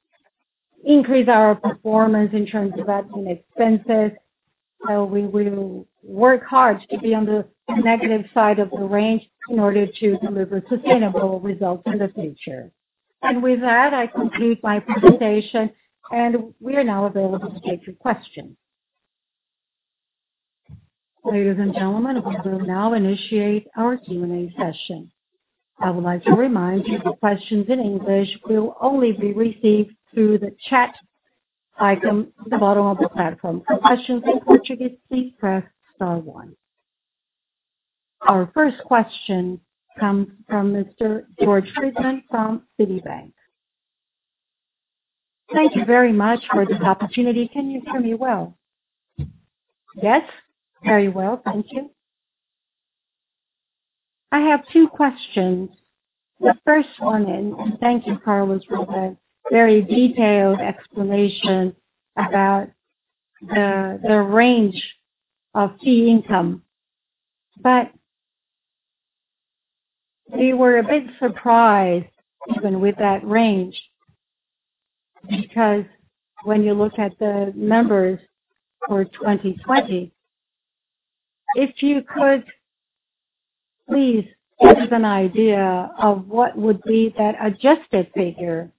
increase our performance in terms of admin expenses. We will work hard to be on the negative side of the range in order to deliver sustainable results in the future. With that, I conclude my presentation. We are now available to take your questions. Ladies and gentlemen, we will now initiate our Q&A session. I would like to remind you that the questions in English will only be received through the chat icon at the bottom of the platform. For questions in Portuguese, please press star one. Our first question comes from Mr. Jörg Friedemann from Citibank. Thank you very much for this opportunity. Can you hear me well? Yes, very well. Thank you. I have two questions. The first one is, thank you, Carlos, for the very detailed explanation about the range of NII. But we were a bit surprised even with that range because when you look at the numbers for 2020, if you could please give us an idea of what would be that adjusted figure.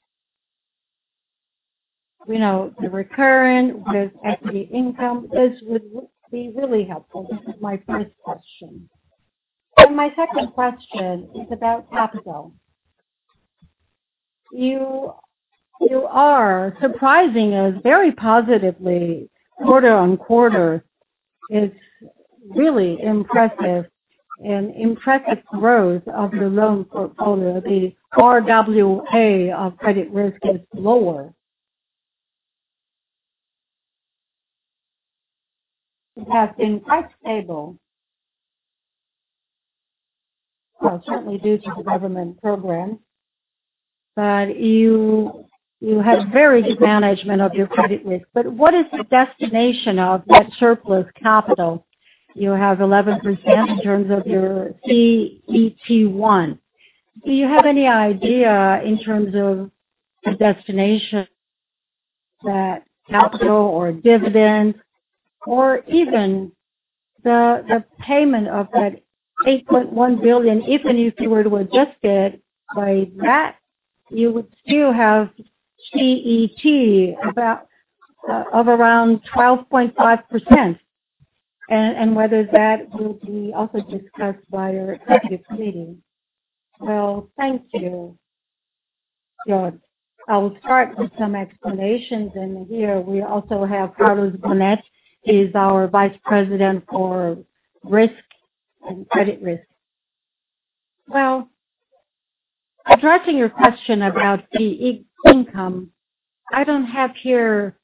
The recurrent with equity income, this would be really helpful. This is my first question. And my second question is about capital. You are surprising us very positively quarter on quarter. It's really impressive. And impressive growth of the loan portfolio. The RWA of credit risk is lower. It has been quite stable, certainly due to the government program. But you have very good management of your credit risk. But what is the destination of that surplus capital? You have 11% in terms of your CET1. Do you have any idea in terms of the destination, that capital or dividend, or even the payment of that 8.1 billion, even if you were to adjust it by that, you would still have CET1 of around 12.5%. And whether that will be also discussed by your executive committee. Well, thank you, Jörg. I will start with some explanations. And here, we also have Carlos Bonetti, who is our vice president for risk and credit risk. Well, addressing your question about NII, I don't have here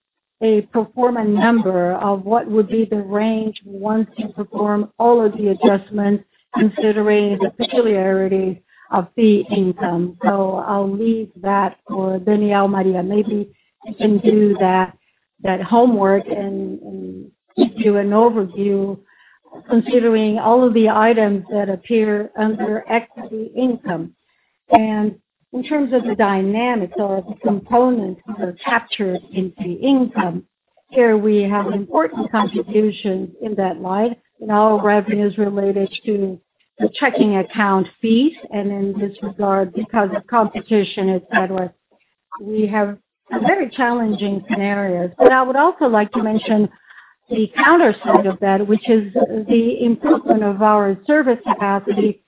a performance number of what would be the range once you perform all of the adjustments, considering the peculiarities of NII. So I'll leave that for Daniel Maria. Maybe you can do that homework and give you an overview, considering all of the items that appear under equity income. And in terms of the dynamics or the components that are captured in fee income, here we have important contributions in that line. And all revenues related to the checking account fees. And in this regard, because of competition, etc., we have very challenging scenarios. But I would also like to mention the other side of that, which is the improvement of our service capacity,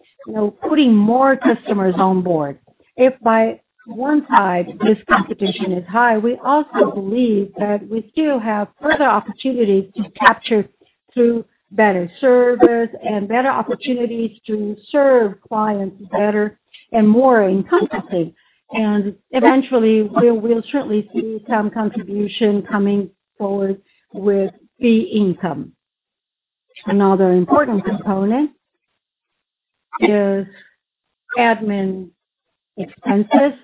putting more customers on board. If on one side this competition is high, we also believe that we still have further opportunities to capture through better service and better opportunities to serve clients better and more encompassing. And eventually, we will certainly see some contribution coming forward with fee income. Another important component is admin expenses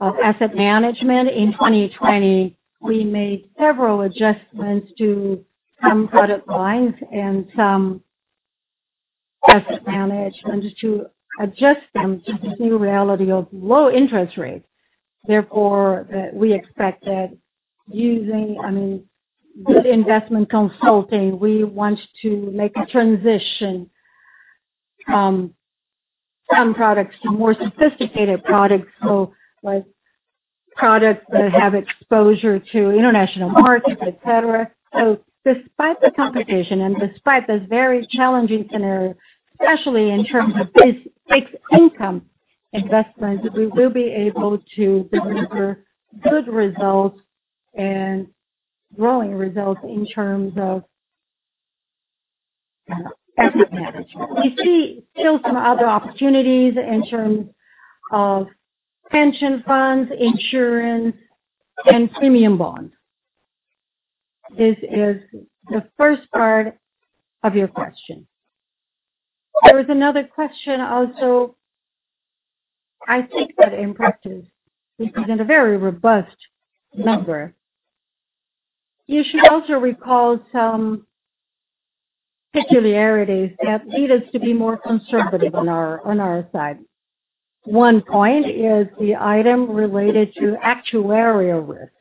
of asset management. In 2020, we made several adjustments to some credit lines and some asset management to adjust them to the new reality of low interest rates. Therefore, we expect that using, I mean, good investment consulting, we want to make a transition from products to more sophisticated products, so products that have exposure to international markets, etc. So despite the competition and despite this very challenging scenario, especially in terms of fixed income investments, we will be able to deliver good results and growing results in terms of asset management. We see still some other opportunities in terms of pension funds, insurance, and premium bonds. This is the first part of your question. There was another question also. I think that's impressive. This is a very robust number. You should also recall some peculiarities that lead us to be more conservative on our side. One point is the item related to actuarial risk.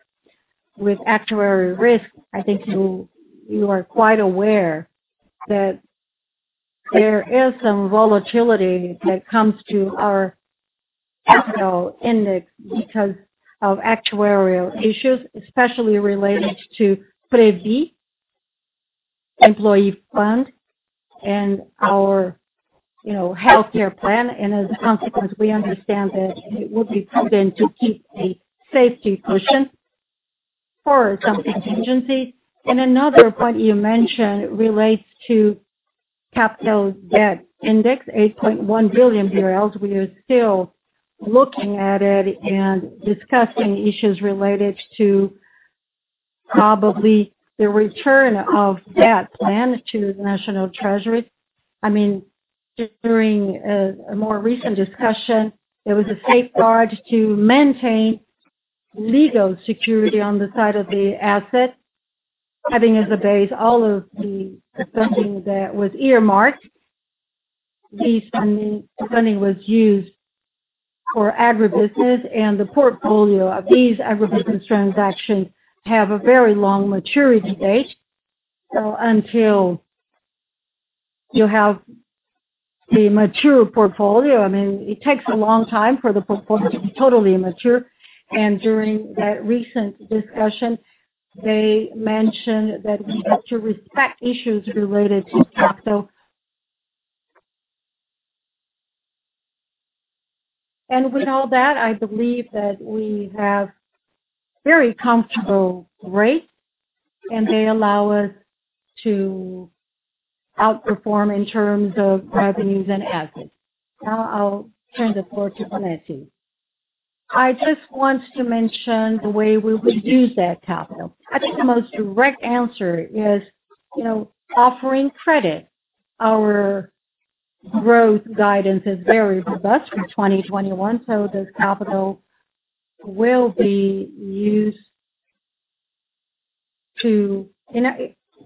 With actuarial risk, I think you are quite aware that there is some volatility that comes to our capital index because of actuarial issues, especially related to Previ Employee Fund and our healthcare plan, and as a consequence, we understand that it would be prudent to keep a safety cushion for some contingencies, and another point you mentioned relates to capital debt index, 8.1 billion BRL. We are still looking at it and discussing issues related to probably the return of that plan to the National Treasury. I mean, during a more recent discussion, there was a safeguard to maintain legal security on the side of the asset, having as a base all of the funding that was earmarked. This funding was used for agribusiness, and the portfolio of these agribusiness transactions has a very long maturity date. So until you have the mature portfolio, I mean, it takes a long time for the portfolio to be totally mature. And during that recent discussion, they mentioned that we have to respect issues related to capital. And with all that, I believe that we have very comfortable rates, and they allow us to outperform in terms of revenues and assets. Now I'll turn the floor to Bonetti. I just want to mention the way we would use that capital. I think the most direct answer is offering credit. Our growth guidance is very robust for 2021. So this capital will be used to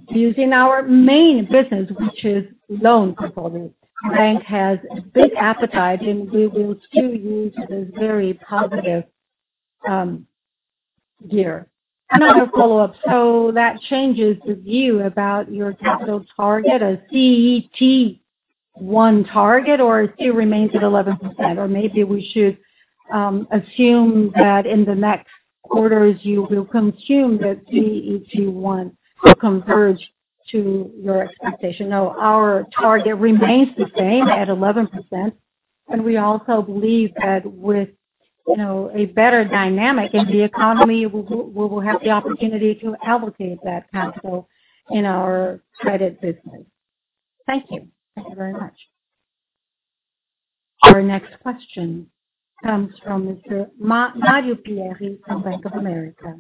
using our main business, which is loan portfolio. The bank has a big appetite, and we will still use this very positive gear. Another follow-up. So that changes the view about your capital target, a CET1 target, or it still remains at 11%? Or maybe we should assume that in the next quarters, you will consume that CET1 to converge to your expectation. No, our target remains the same at 11%. And we also believe that with a better dynamic in the economy, we will have the opportunity to allocate that capital in our credit business. Thank you. Thank you very much. Our next question comes from Mr. Mario Pierry from Bank of America.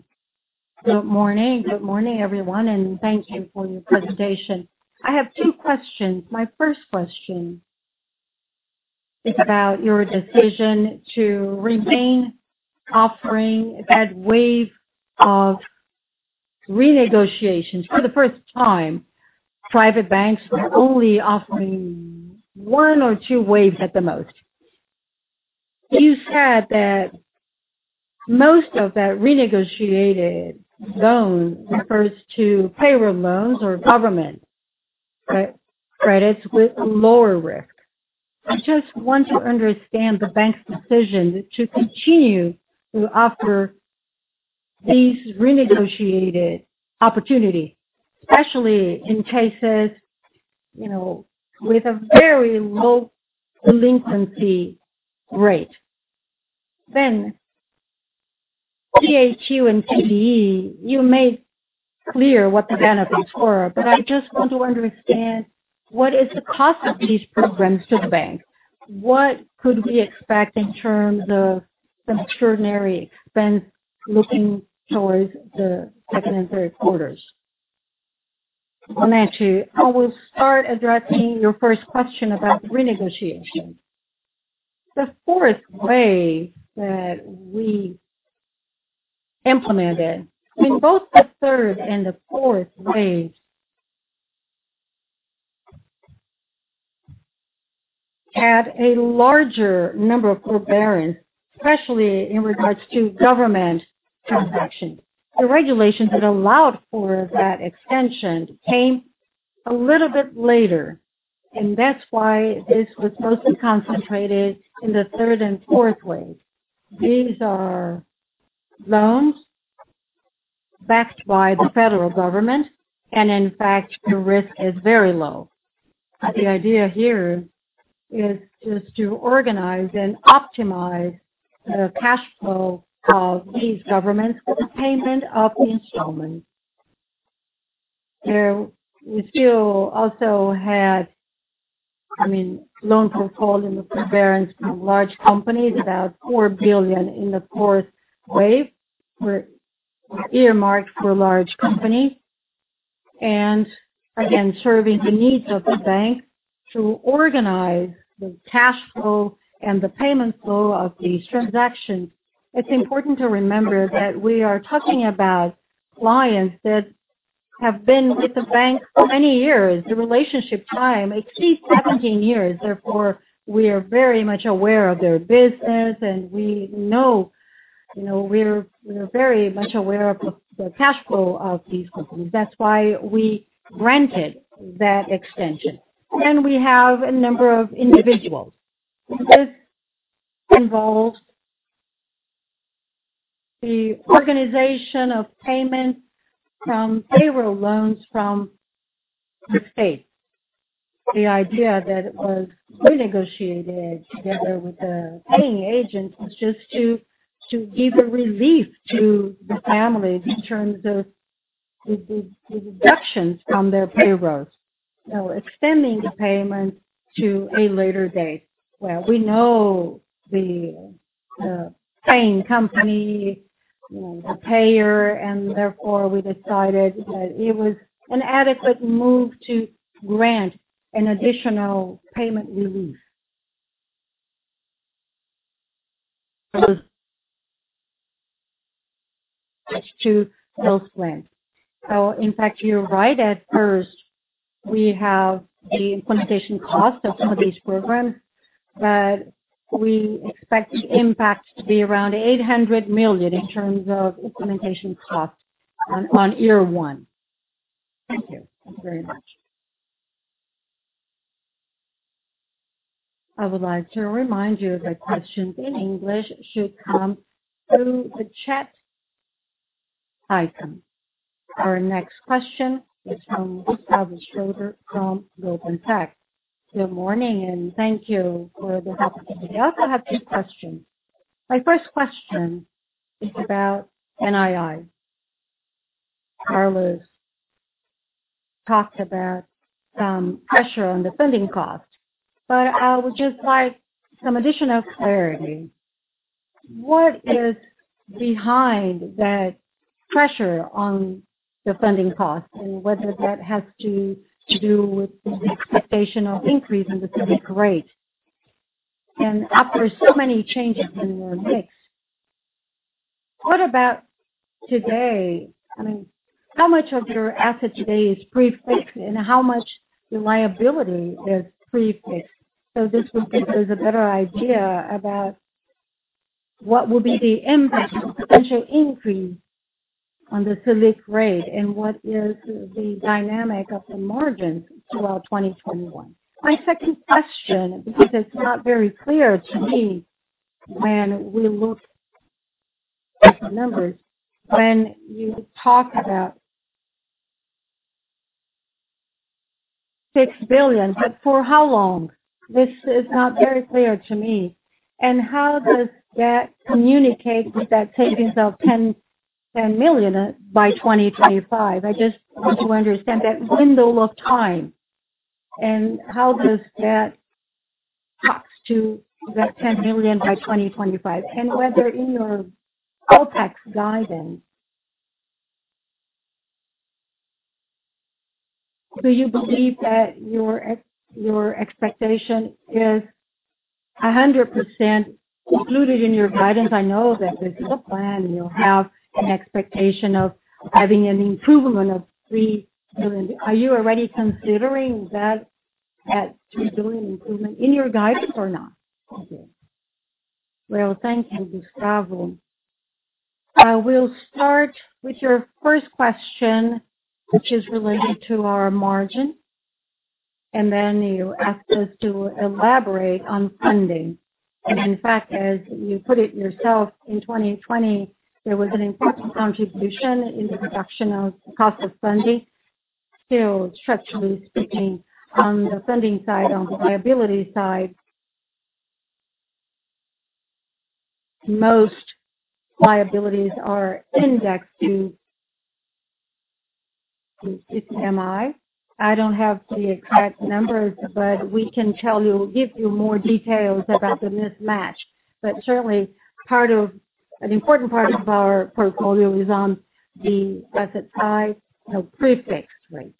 Good morning. Good morning, everyone. And thank you for your presentation. I have two questions. My first question is about your decision to remain offering that wave of renegotiations. For the first time, private banks were only offering one or two waves at the most. You said that most of that renegotiated loan refers to payroll loans or government credits with lower risk. I just want to understand the bank's decision to continue to offer these renegotiated opportunities, especially in cases with a very low delinquency rate. Then, PAQ and PDE, you made clear what the benefits were. But I just want to understand what is the cost of these programs to the bank? What could we expect in terms of some extraordinary expense looking towards the second and third quarters? Bonetti, I will start addressing your first question about renegotiation. The fourth wave that we implemented, I mean, both the third and the fourth waves had a larger number of forbearance, especially in regards to government transactions. The regulations that allowed for that extension came a little bit later, and that's why this was mostly concentrated in the third and fourth wave. These are loans backed by the federal government, and in fact, the risk is very low. The idea here is just to organize and optimize the cash flow of these governments for the payment of the installments. We still also had, I mean, loan portfolio forbearance from large companies, about 4 billion in the fourth wave, earmarked for large companies. And again, serving the needs of the bank to organize the cash flow and the payment flow of these transactions. It's important to remember that we are talking about clients that have been with the bank for many years. The relationship time exceeds 17 years. Therefore, we are very much aware of their business. And we know we're very much aware of the cash flow of these companies. That's why we granted that extension. Then we have a number of individuals. This involves the organization of payments from payroll loans from the state. The idea that it was renegotiated together with the paying agents was just to give a relief to the families in terms of the deductions from their payrolls, extending the payment to a later date, well, we know the paying company, the payer, and therefore we decided that it was an adequate move to grant an additional payment release to those plans. So in fact, you're right. At first, we have the implementation cost of some of these programs. But we expect the impact to be around 800 million in terms of implementation cost on year one. Thank you. Thank you very much. I would like to remind you that questions in English should come through the chat icon. Our next question is from Gustavo Schroden from Bradesco BBI. Good morning, and thank you for the opportunity. I also have two questions. My first question is about NII. Carlos talked about some pressure on the funding cost. But I would just like some additional clarity. What is behind that pressure on the funding cost, and whether that has to do with the expectation of increasing the Selic rate? And after so many changes in the mix, what about today? I mean, how much of your asset today is pre-fixed, and how much your liability is pre-fixed? So this would give us a better idea about what will be the impact of the potential increase on the Selic rate and what is the dynamic of the margins throughout 2021. My second question, because it's not very clear to me when we look at the numbers, when you talk about 6 billion, but for how long? This is not very clear to me. And how does that communicate with that savings of 10 million by 2025? I just want to understand that window of time. And how does that talk to that 10 million by 2025? And whether in your OpEx guidance, do you believe that your expectation is 100% included in your guidance? I know that this is a plan. You have an expectation of having an improvement of 3 billion. Are you already considering that 2 billion improvement in your guidance or not? Thank you. Well, thank you, Gustavo. I will start with your first question, which is related to our margin. And then you asked us to elaborate on funding. And in fact, as you put it yourself, in 2020, there was an important contribution in the reduction of the cost of funding. Still, structurally speaking, on the funding side, on the liability side, most liabilities are indexed to CDI. I don't have the exact numbers, but we can tell you, give you more details about the mismatch, but certainly, an important part of our portfolio is on the asset side, pre-fixed rates,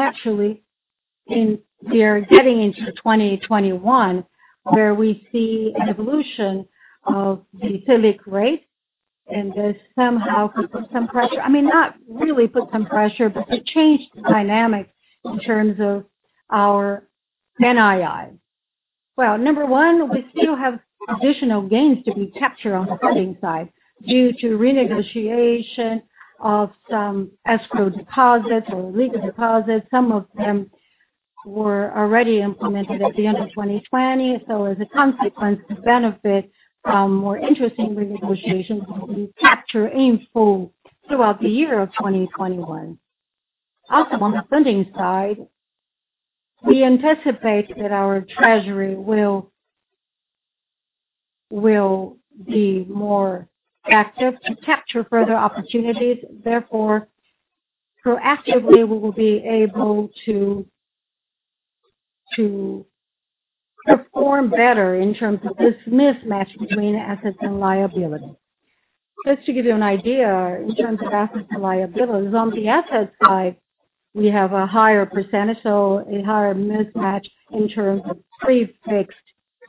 actually, we are getting into 2021 where we see an evolution of the Selic rate, and this somehow puts some pressure, I mean, not really puts some pressure, but it changed the dynamic in terms of our NII, well, number one, we still have additional gains to be captured on the funding side due to renegotiation of some escrow deposits or legal deposits, some of them were already implemented at the end of 2020, so as a consequence, the benefit from more interesting renegotiations will be captured in full throughout the year of 2021, also, on the funding side, we anticipate that our treasury will be more active to capture further opportunities. Therefore, proactively, we will be able to perform better in terms of this mismatch between assets and liabilities. Just to give you an idea, in terms of assets and liabilities, on the asset side, we have a higher percentage, so a higher mismatch in terms of pre-fixed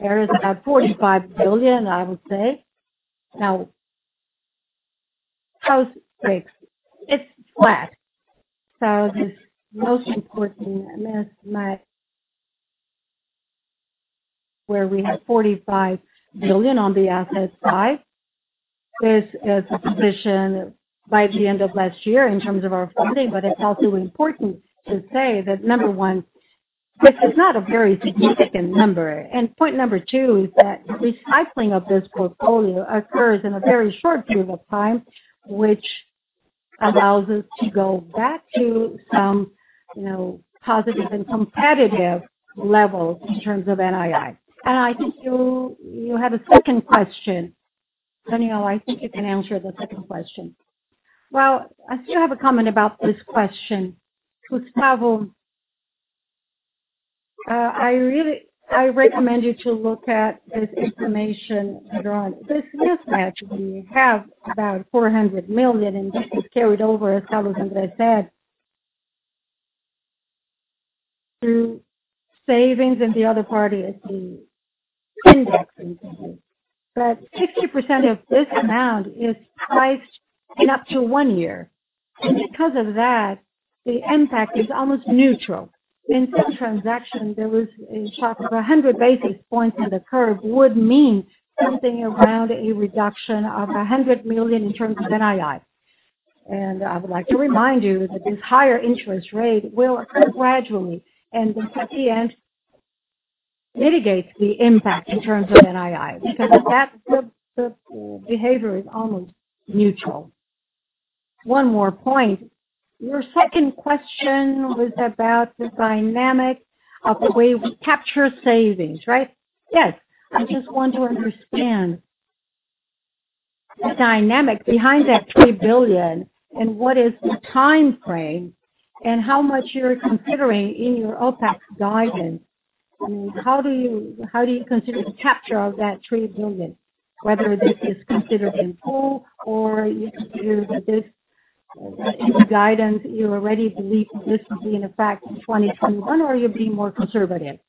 areas about 45 billion, I would say. Now, post-fixed, it's flat. So this most important mismatch where we have 45 billion on the asset side, this is a position by the end of last year in terms of our funding. But it's also important to say that, number one, this is not a very significant number. And point number two is that recycling of this portfolio occurs in a very short period of time, which allows us to go back to some positive and competitive levels in terms of NII. And I think you had a second question. Daniel, I think you can answer the second question. I still have a comment about this question. Gustavo, I recommend you to look at this information later on. This mismatch, we have about 400 million, and this is carried over, as Carlos and I said, through savings, and the other part is the indexing, but 60% of this amount is priced in up to one year. And because of that, the impact is almost neutral. In some transactions, there was a shock of 100 basis points in the curve, which would mean something around a reduction of 100 million in terms of NII, and I would like to remind you that this higher interest rate will gradually and at the end mitigate the impact in terms of NII because the behavior is almost neutral. One more point. Your second question was about the dynamic of the way we capture savings, right? Yes. I just want to understand the dynamic behind that 3 billion and what is the timeframe and how much you're considering in your OpEx guidance. I mean, how do you consider the capture of that 3 billion, whether this is considered in full or you consider this guidance, you already believe this will be in effect in 2021, or you'll be more conservative?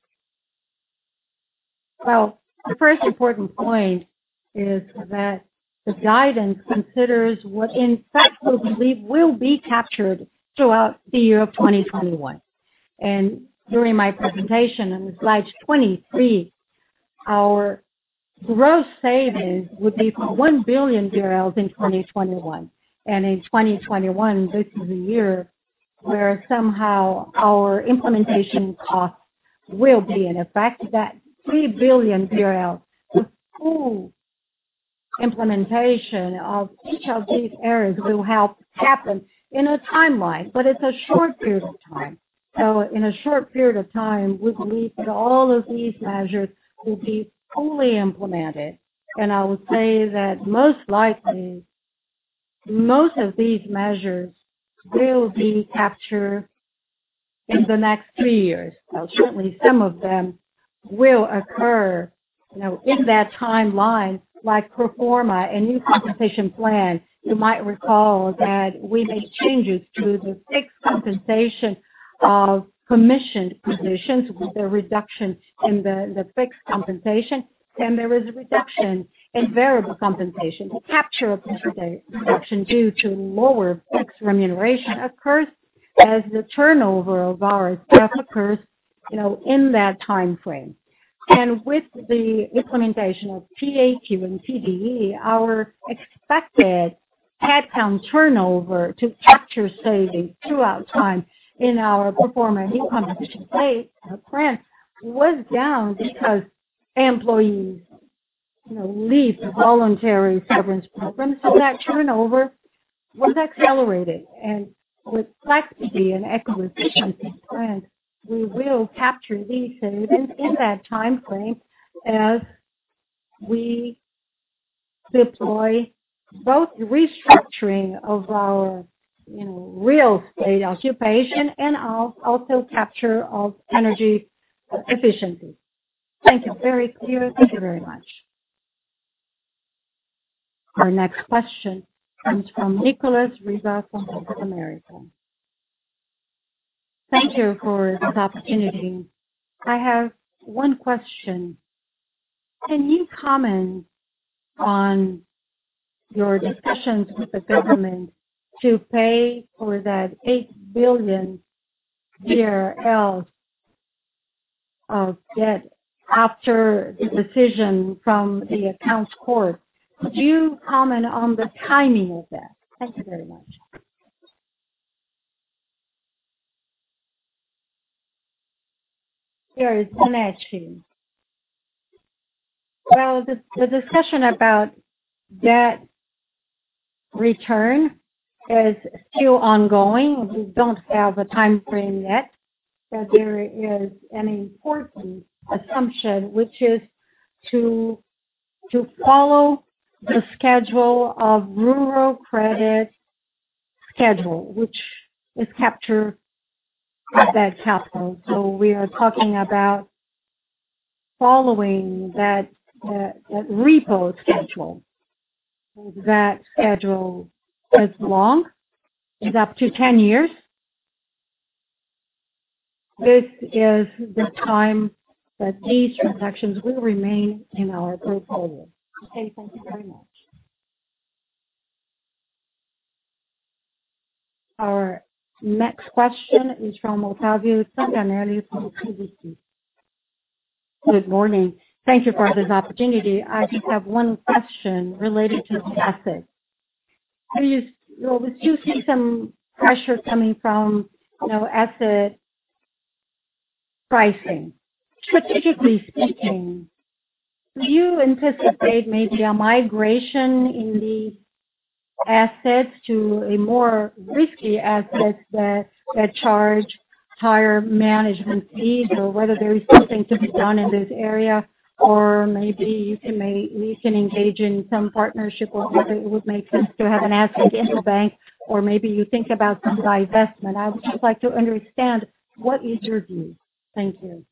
Well, the first important point is that the guidance considers what in fact we believe will be captured throughout the year of 2021. And during my presentation on slide 23, our gross savings would be for 1 billion BRL in 2021. And in 2021, this is a year where somehow our implementation costs will be in effect. That 3 billion, the full implementation of each of these areas will help happen in a timeline. But it's a short period of time. So in a short period of time, we believe that all of these measures will be fully implemented. And I would say that most likely, most of these measures will be captured in the next three years. Now, certainly, some of them will occur in that timeline, like pro forma and new compensation plan. You might recall that we made changes to the fixed compensation of commissioned positions with a reduction in the fixed compensation. And there is a reduction in variable compensation. The capture of this reduction due to lower fixed remuneration occurs as the turnover of our staff occurs in that timeframe. With the implementation of PAQ and PDE, our expected headcount turnover to capture savings throughout time in our pro forma and new compensation plan was down because employees leave the voluntary severance program. So that turnover was accelerated. And with flexibility and execution of these plans, we will capture these savings in that timeframe as we deploy both restructuring of our real estate occupation and also capture of energy efficiency. Thank you. Very clear. Thank you very much. Our next question comes from Nicolas Riva from Bank of America. Thank you for this opportunity. I have one question. Can you comment on your discussions with the government to pay for that 8 billion of debt after the decision from the accounts court? Could you comment on the timing of that? Thank you very much. Here is Bonetti. Well, the discussion about debt repayment is still ongoing. We don't have a timeframe yet. But there is an important assumption, which is to follow the schedule of rural credit schedule, which is capture of that capital. So we are talking about following that repo schedule. That schedule is long. It's up to 10 years. This is the time that these transactions will remain in our portfolio. Okay. Thank you very much. Our next question is from Otávio Tanganelli from Credit Suisse. Good morning. Thank you for this opportunity. I just have one question related to assets. We do see some pressure coming from asset pricing. Strategically speaking, do you anticipate maybe a migration in these assets to a more risky asset that charge higher management fees, or whether there is something to be done in this area, or maybe you can engage in some partnership, or whether it would make sense to have an asset in the bank, or maybe you think about some divestment? I would just like to understand what is your view. Thank you.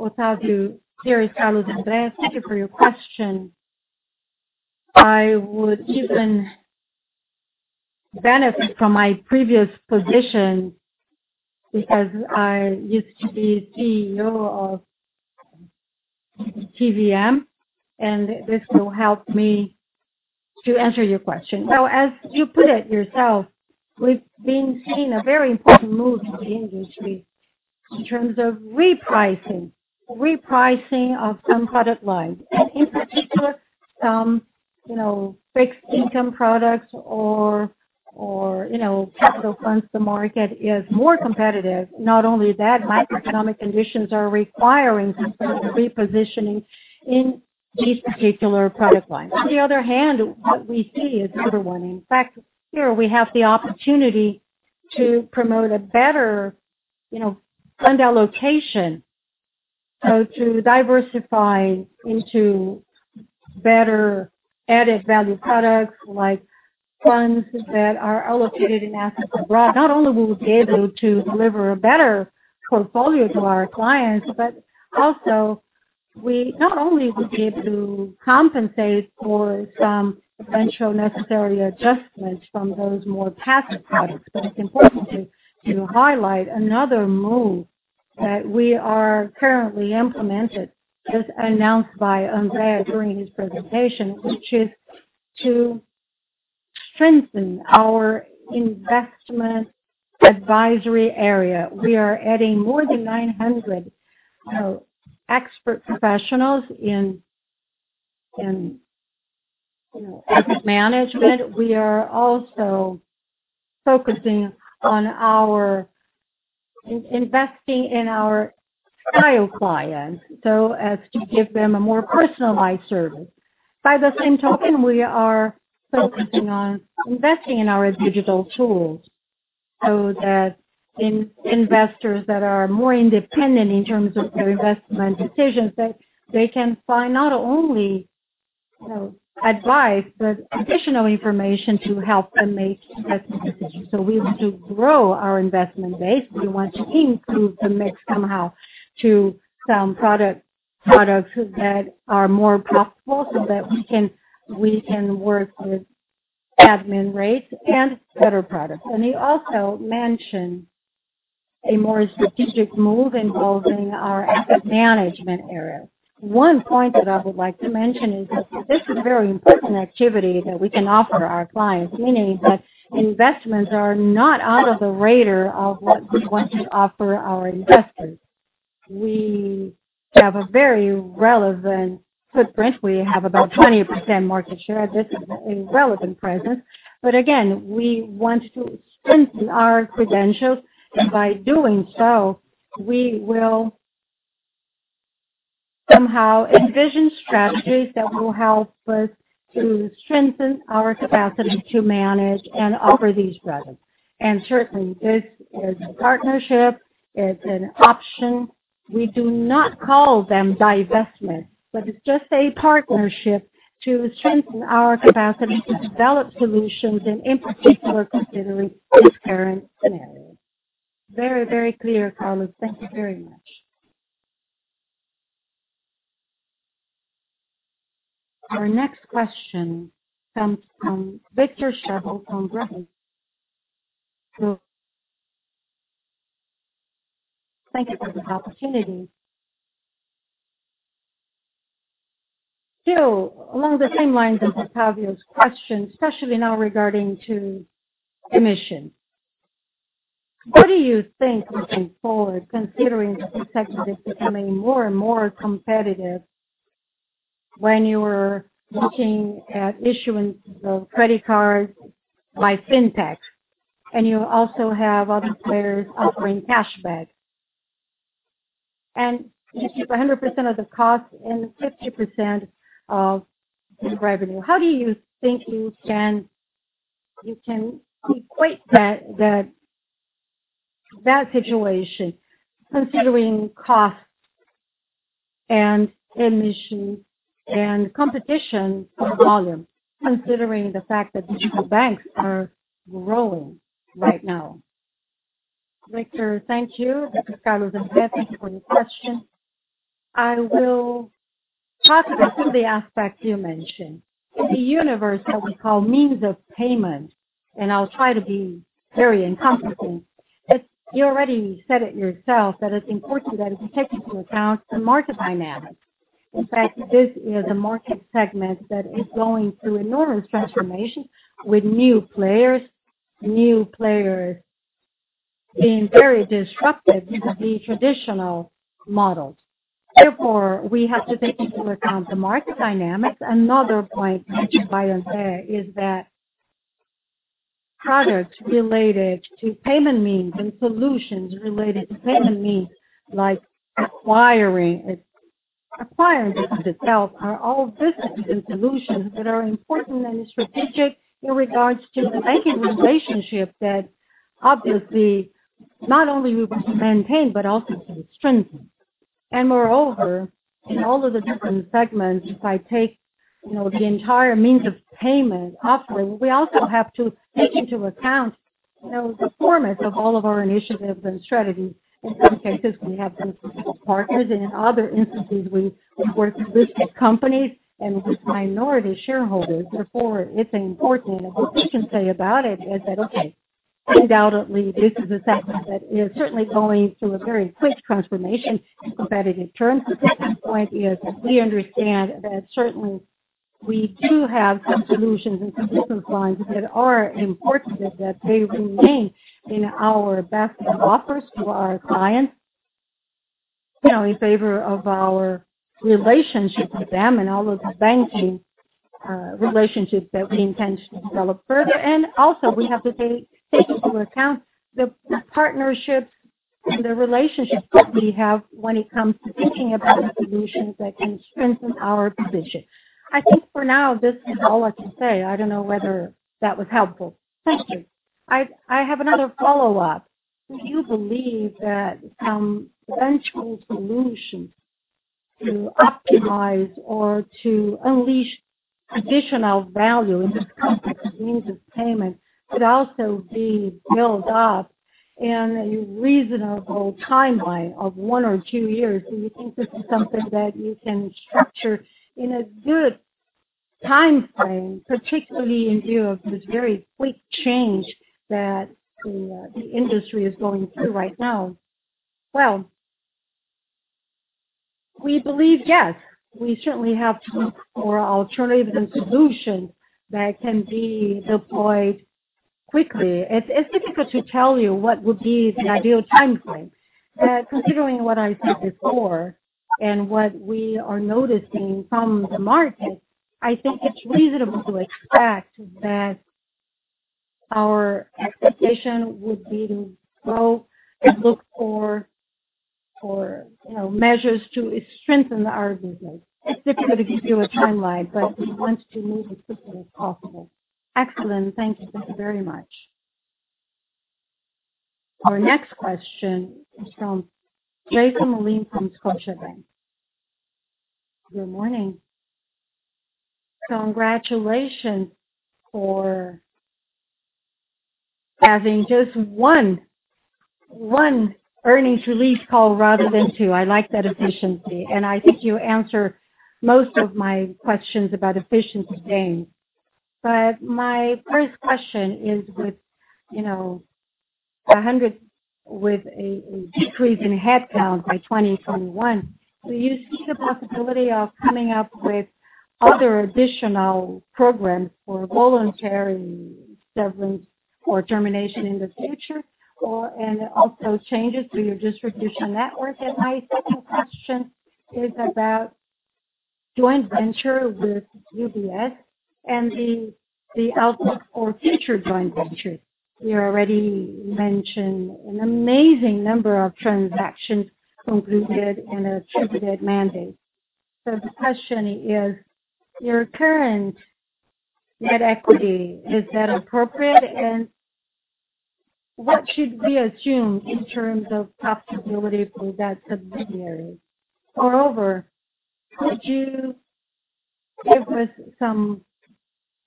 Otávio, here is Carlos André. Thank you for your question. I would even benefit from my previous position because I used to be CEO of TVM, and this will help me to answer your question. As you put it yourself, we've been seeing a very important move in the industry in terms of repricing, repricing of some product lines. And in particular, some fixed income products or capital funds, the market is more competitive. Not only that, macroeconomic conditions are requiring some repositioning in these particular product lines. On the other hand, what we see is a better one. In fact, here we have the opportunity to promote a better fund allocation, so to diversify into better added value products like funds that are allocated in assets abroad. Not only will we be able to deliver a better portfolio to our clients, but also we not only will be able to compensate for some potential necessary adjustments from those more passive products, but it's important to highlight another move that we are currently implementing. It was announced by André during his presentation, which is to strengthen our investment advisory area. We are adding more than 900 expert professionals in asset management. We are also focusing on investing in our retail clients so as to give them a more personalized service. By the same token, we are focusing on investing in our digital tools so that investors that are more independent in terms of their investment decisions, they can find not only advice but additional information to help them make investment decisions, so we want to grow our investment base. We want to improve the mix somehow to some products that are more profitable so that we can work with admin rates and better products, and he also mentioned a more strategic move involving our asset management area. One point that I would like to mention is that this is a very important activity that we can offer our clients, meaning that investments are not out of the radar of what we want to offer our investors. We have a very relevant footprint. We have about 20% market share. This is a relevant presence. But again, we want to strengthen our credentials. And by doing so, we will somehow envision strategies that will help us to strengthen our capacity to manage and offer these products. And certainly, this is a partnership. It's an option. We do not call them divestments, but it's just a partnership to strengthen our capacity to develop solutions and, in particular, considering this current scenario. Very, very clear, Carlos. Thank you very much. Our next question comes from Victor Schabbel from Bradesco BBI. Thank you for this opportunity. Still, along the same lines as Otávio's question, especially now regarding emissions, what do you think moving forward, considering that this sector is becoming more and more competitive when you are looking at issuance of credit cards by fintechs, and you also have other players offering cashback, and you keep 100% of the cost and 50% of the revenue? How do you think you can equate that situation, considering cost and emissions and competition and volume, considering the fact that these banks are growing right now? Victor, thank you. This is Carlos André. Thank you for your question. I will talk about two of the aspects you mentioned. The universe that we call means of payment, and I'll try to be very encompassing. You already said it yourself that it's important that we take into account the market dynamics. In fact, this is a market segment that is going through enormous transformation with new players, new players being very disruptive to the traditional model. Therefore, we have to take into account the market dynamics. Another point André says, is that products related to payment means and solutions related to payment means, like acquiring this in itself, are all businesses and solutions that are important and strategic in regards to the banking relationship that obviously not only we must maintain but also strengthen. Moreover, in all of the different segments, if I take the entire means of payment offering, we also have to take into account the format of all of our initiatives and strategies. In some cases, we have these partners. In other instances, we work with these companies and with minority shareholders. Therefore, it's important. And what we can say about it is that, okay, undoubtedly, this is a segment that is certainly going through a very quick transformation in competitive terms. The second point is that we understand that certainly we do have some solutions and some business lines that are important that they remain in our best offers to our clients in favor of our relationship with them and all of the banking relationships that we intend to develop further. And also, we have to take into account the partnerships and the relationships that we have when it comes to thinking about solutions that can strengthen our position. I think for now, this is all I can say. I don't know whether that was helpful. Thank you. I have another follow-up. Do you believe that some eventual solutions to optimize or to unleash additional value in this context of means of payment could also be built up in a reasonable timeline of one or two years? Do you think this is something that you can structure in a good timeframe, particularly in view of this very quick change that the industry is going through right now? Well, we believe, yes. We certainly have some alternatives and solutions that can be deployed quickly. It's difficult to tell you what would be the ideal timeframe. But considering what I said before and what we are noticing from the market, I think it's reasonable to expect that our expectation would be to go and look for measures to strengthen our business. It's difficult to give you a timeline, but we want to move as quickly as possible. Excellent. Thank you. Thank you very much. Our next question is from Jason Mollin from Scotiabank. Good morning. Congratulations for having just one earnings release call rather than two. I like that efficiency. And I think you answer most of my questions about efficiency gains. But my first question is, with a decrease in headcount by 2021, do you see the possibility of coming up with other additional programs for voluntary severance or termination in the future, and also changes to your distribution network? And my second question is about joint venture with UBS and the outlook for future joint ventures. You already mentioned an amazing number of transactions concluded in a two-year mandate. So the question is, your current net equity, is that appropriate? And what should we assume in terms of profitability for that subsidiary? Moreover, could you give us some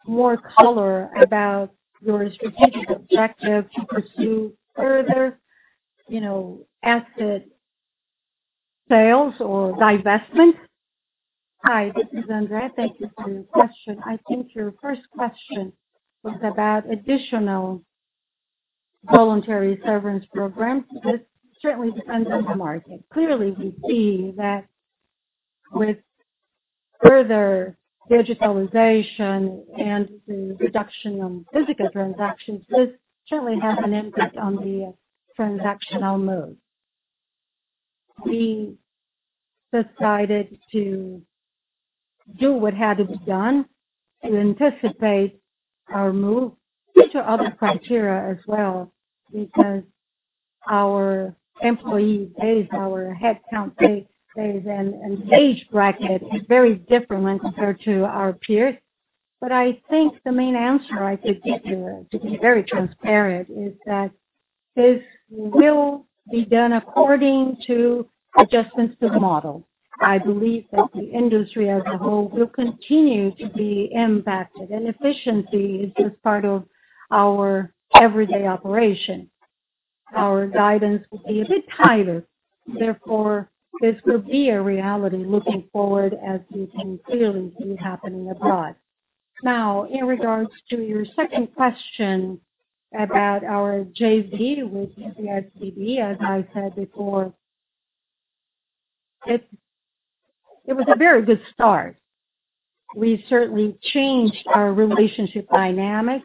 more color about your strategic objective to pursue further asset sales or divestment? Hi. This is André. Thank you for your question. I think your first question was about additional voluntary severance programs. This certainly depends on the market. Clearly, we see that with further digitalization and the reduction of physical transactions, this certainly has an impact on the transactional move. We decided to do what had to be done to anticipate our move to other criteria as well because our employee base, our headcount base, and age bracket is very different when compared to our peers. But I think the main answer I could give you, to be very transparent, is that this will be done according to adjustments to the model. I believe that the industry as a whole will continue to be impacted. And efficiency is just part of our everyday operation. Our guidance will be a bit tighter. Therefore, this will be a reality looking forward, as you can clearly see happening abroad. Now, in regards to your second question about our JV with UBS BB, as I said before, it was a very good start. We certainly changed our relationship dynamic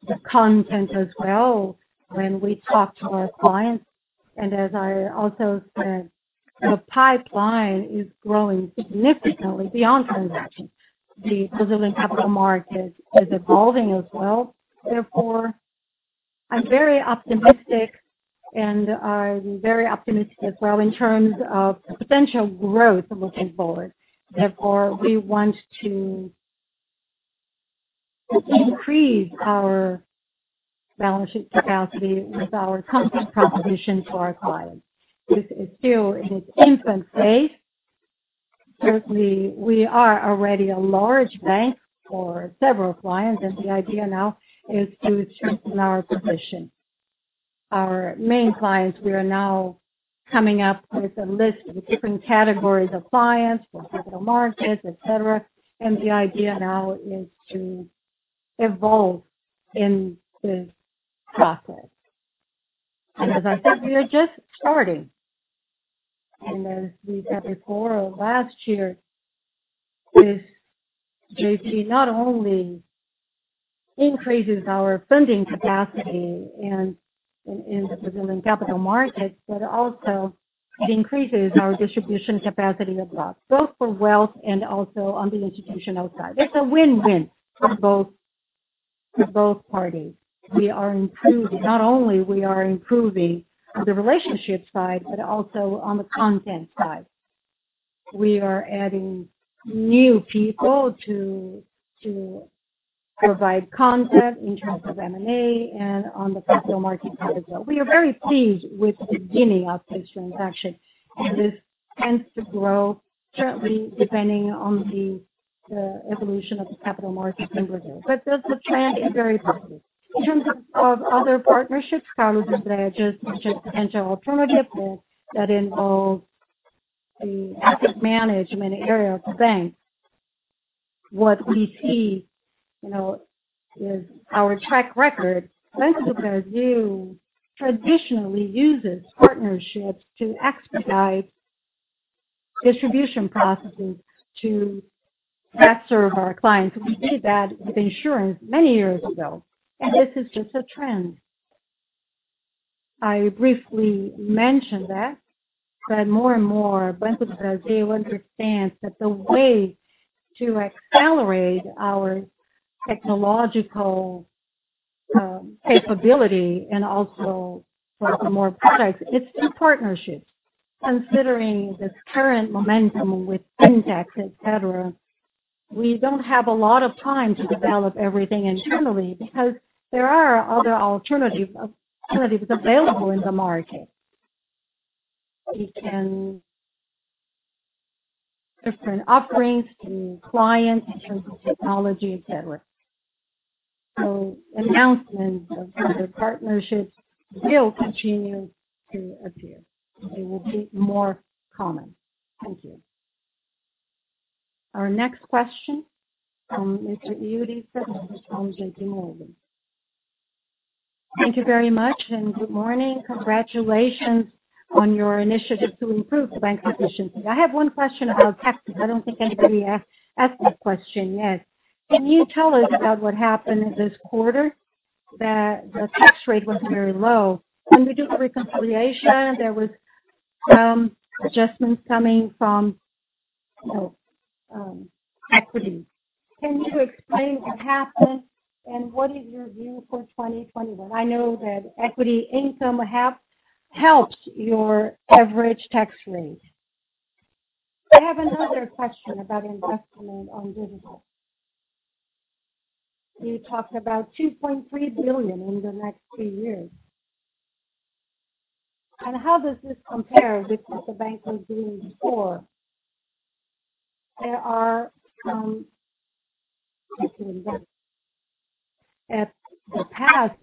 and the content as well when we talked to our clients, and as I also said, the pipeline is growing significantly beyond transactions. The Brazilian capital market is evolving as well. Therefore, I'm very optimistic, and I'm very optimistic as well in terms of potential growth looking forward. Therefore, we want to increase our balance sheet capacity with our company proposition to our clients. This is still in its infant phase. Certainly, we are already a large bank for several clients, and the idea now is to strengthen our position. Our main clients, we are now coming up with a list of different categories of clients for capital markets, etc., and the idea now is to evolve in this process. As I said, we are just starting. As we said before or last year, this JV not only increases our funding capacity in the Brazilian capital markets, but also it increases our distribution capacity abroad, both for wealth and also on the institutional side. It's a win-win for both parties. We are improving. Not only are we improving on the relationship side, but also on the content side. We are adding new people to provide content in terms of M&A and on the capital markets as well. We are very pleased with the beginning of this transaction. This tends to grow, certainly depending on the evolution of the capital markets in Brazil. The trend is very positive. In terms of other partnerships, Carlos André just mentioned potential alternatives that involve the asset management area of the bank. What we see is our track record. Banco do Brasil traditionally uses partnerships to expedite distribution processes to best serve our clients. We did that with insurance many years ago. And this is just a trend. I briefly mentioned that, but more and more, Banco do Brasil understands that the way to accelerate our technological capability and also for more products, it's through partnerships. Considering this current momentum with fintechs, etc., we don't have a lot of time to develop everything internally because there are other alternatives available in the market. We can offer different offerings to clients in terms of technology, etc. So announcements of other partnerships will continue to appear. They will be more common. Thank you. Our next question from Mr. Yuri Fernandes from J.P. Morgan. Thank you very much, and good morning. Congratulations on your initiative to improve bank efficiency. I have one question about taxes. I don't think anybody asked this question yet. Can you tell us about what happened this quarter? The tax rate was very low. When we did the reconciliation, there were some adjustments coming from equity. Can you explain what happened, and what is your view for 2021? I know that equity income helps your average tax rate. I have another question about investment on digital. You talked about 2.3 billion in the next two years. And how does this compare with what the bank was doing before? There are some investments at the past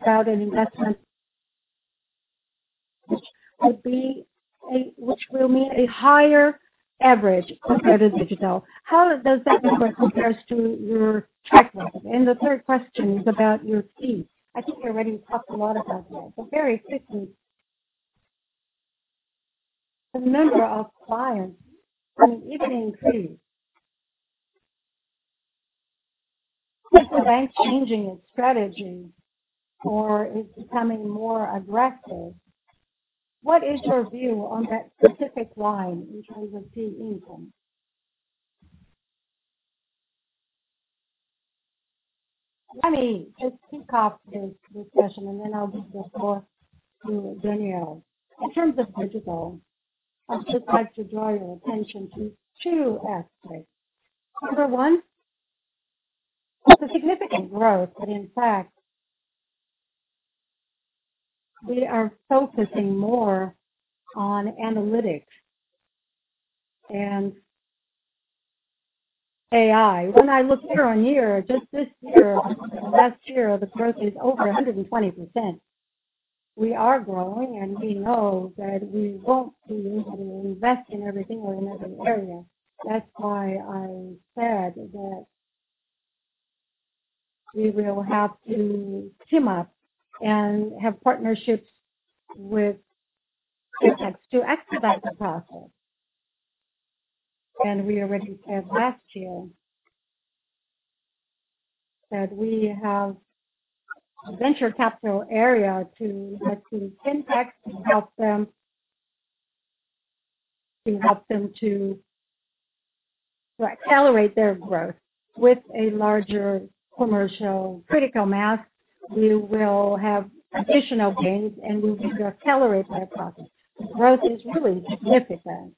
about an investment which will mean a higher average compared to digital. How does that compare to your track record? And the third question is about your fees. I think we already talked a lot about those. But very quickly, the number of clients is even increasing. Is the bank changing its strategy, or is it becoming more aggressive? What is your view on that specific line in terms of fee income? Let me just kick off this discussion, and then I'll just go forward to Daniel. In terms of digital, I'd just like to draw your attention to two aspects. Number one, there's a significant growth, but in fact, we are focusing more on analytics and AI. When I look year on year, just this year, last year, the growth is over 120%. We are growing, and we know that we won't be able to invest in everything in every area. That's why I said that we will have to team up and have partnerships with fintechs to expedite the process, and we already said last year that we have a venture capital area to invest in fintechs to help them to accelerate their growth with a larger commercial. Critical mass, we will have additional gains, and we will accelerate that process. Growth is really significant.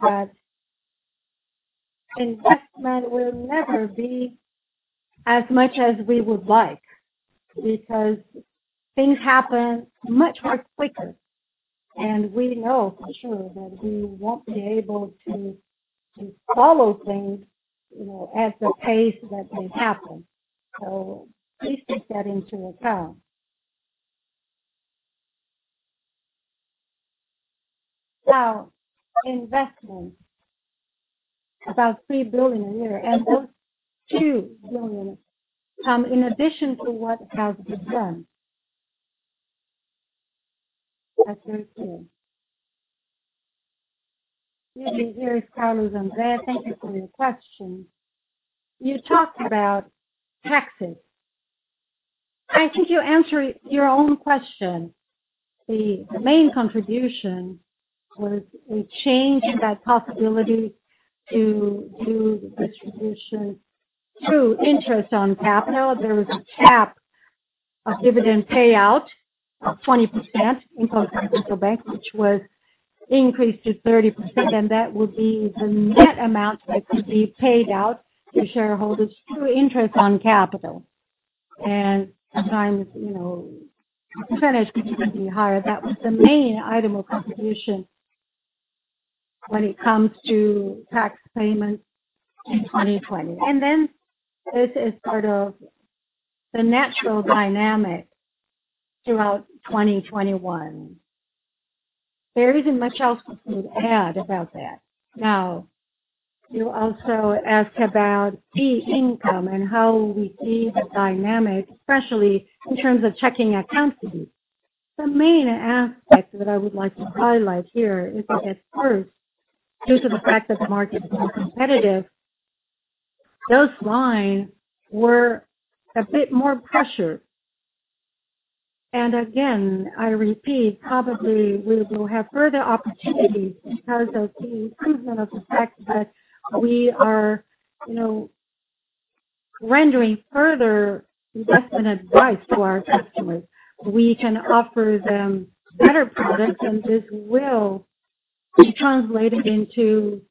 But investment will never be as much as we would like because things happen much more quicker. And we know for sure that we won't be able to follow things at the pace that they happen. So please take that into account. Now, investment, about 3 billion a year. And those 2 billion come in addition to what has been done. That's very clear. Here is Carlos André. Thank you for your question. You talked about taxes. I think you answered your own question. The main contribution was a change in that possibility to do distribution through interest on capital. There was a cap of dividend payout of 20% in Banco do Brasil, which was increased to 30%. That would be the net amount that could be paid out to shareholders through interest on capital. Sometimes the percentage could be higher. That was the main item of contribution when it comes to tax payments in 2020. This is part of the natural dynamic throughout 2021. There isn't much else to add about that. Now, you also asked about fee income and how we see the dynamic, especially in terms of checking account fees. The main aspect that I would like to highlight here is that at first, due to the fact that the market became competitive, those lines were a bit more pressured. Again, I repeat, probably we will have further opportunities because of the improvement of the fact that we are rendering further investment advice to our customers. We can offer them better products, and this will be translated into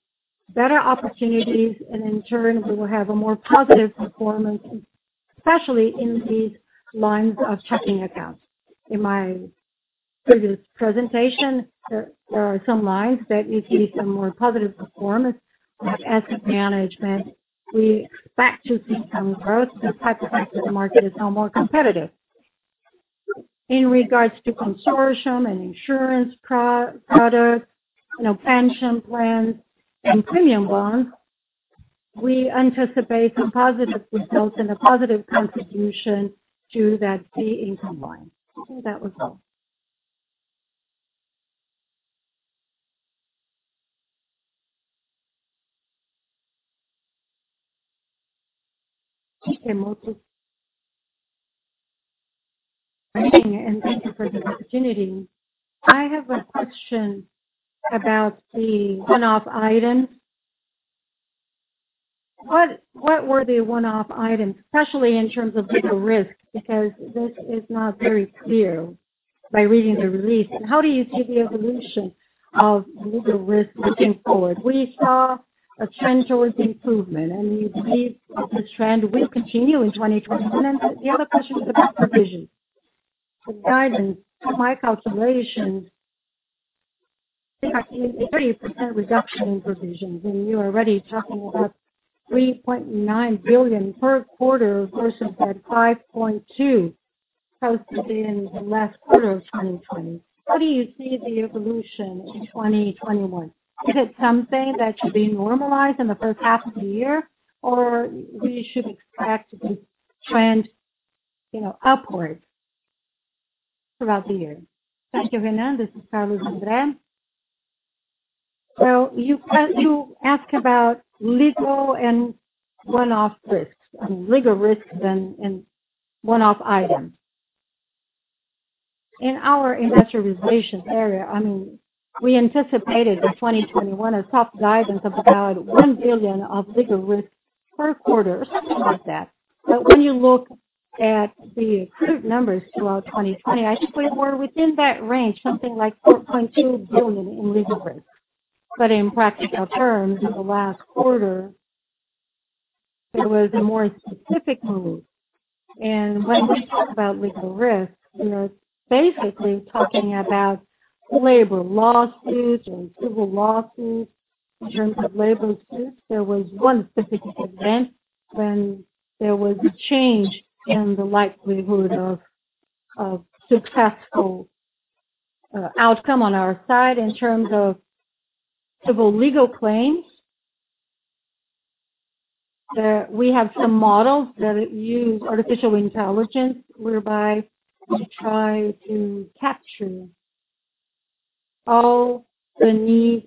better opportunities. In turn, we will have a more positive performance, especially in these lines of checking accounts. In my previous presentation, there are some lines that you see some more positive performance of asset management. We expect to see some growth. This type of capital market is now more competitive. In regards to consortium and insurance products, pension plans, and premium bonds, we anticipate some positive results and a positive contribution to that fee income line. I think that was all. Thank you, and thank you for the opportunity. I have a question about the one-off items. What were the one-off items, especially in terms of legal risk? Because this is not very clear by reading the release. How do you see the evolution of legal risk looking forward? We saw a trend towards improvement, and we believe the trend will continue in 2021. The other question is about provisions. The guidance, to my calculations, I think I see a 30% reduction in provisions. You're already talking about 3.9 billion per quarter versus that 5.2 billion posted in the last quarter of 2020. How do you see the evolution in 2021? Is it something that should be normalized in the first half of the year, or we should expect this trend upward throughout the year? Thank you, again. This is Carlos André. So you asked about legal and one-off risks, legal risks and one-off items. In our industrialization area, I mean, we anticipated in 2021 a soft guidance of about 1 billion of legal risks per quarter, something like that. But when you look at the current numbers throughout 2020, I think we were within that range, something like 4.2 billion in legal risks. But in practical terms, in the last quarter, there was a more specific move. And when we talk about legal risks, we are basically talking about labor lawsuits or civil lawsuits. In terms of labor suits, there was one specific event when there was a change in the likelihood of successful outcome on our side. In terms of civil legal claims, we have some models that use artificial intelligence whereby we try to capture all the needs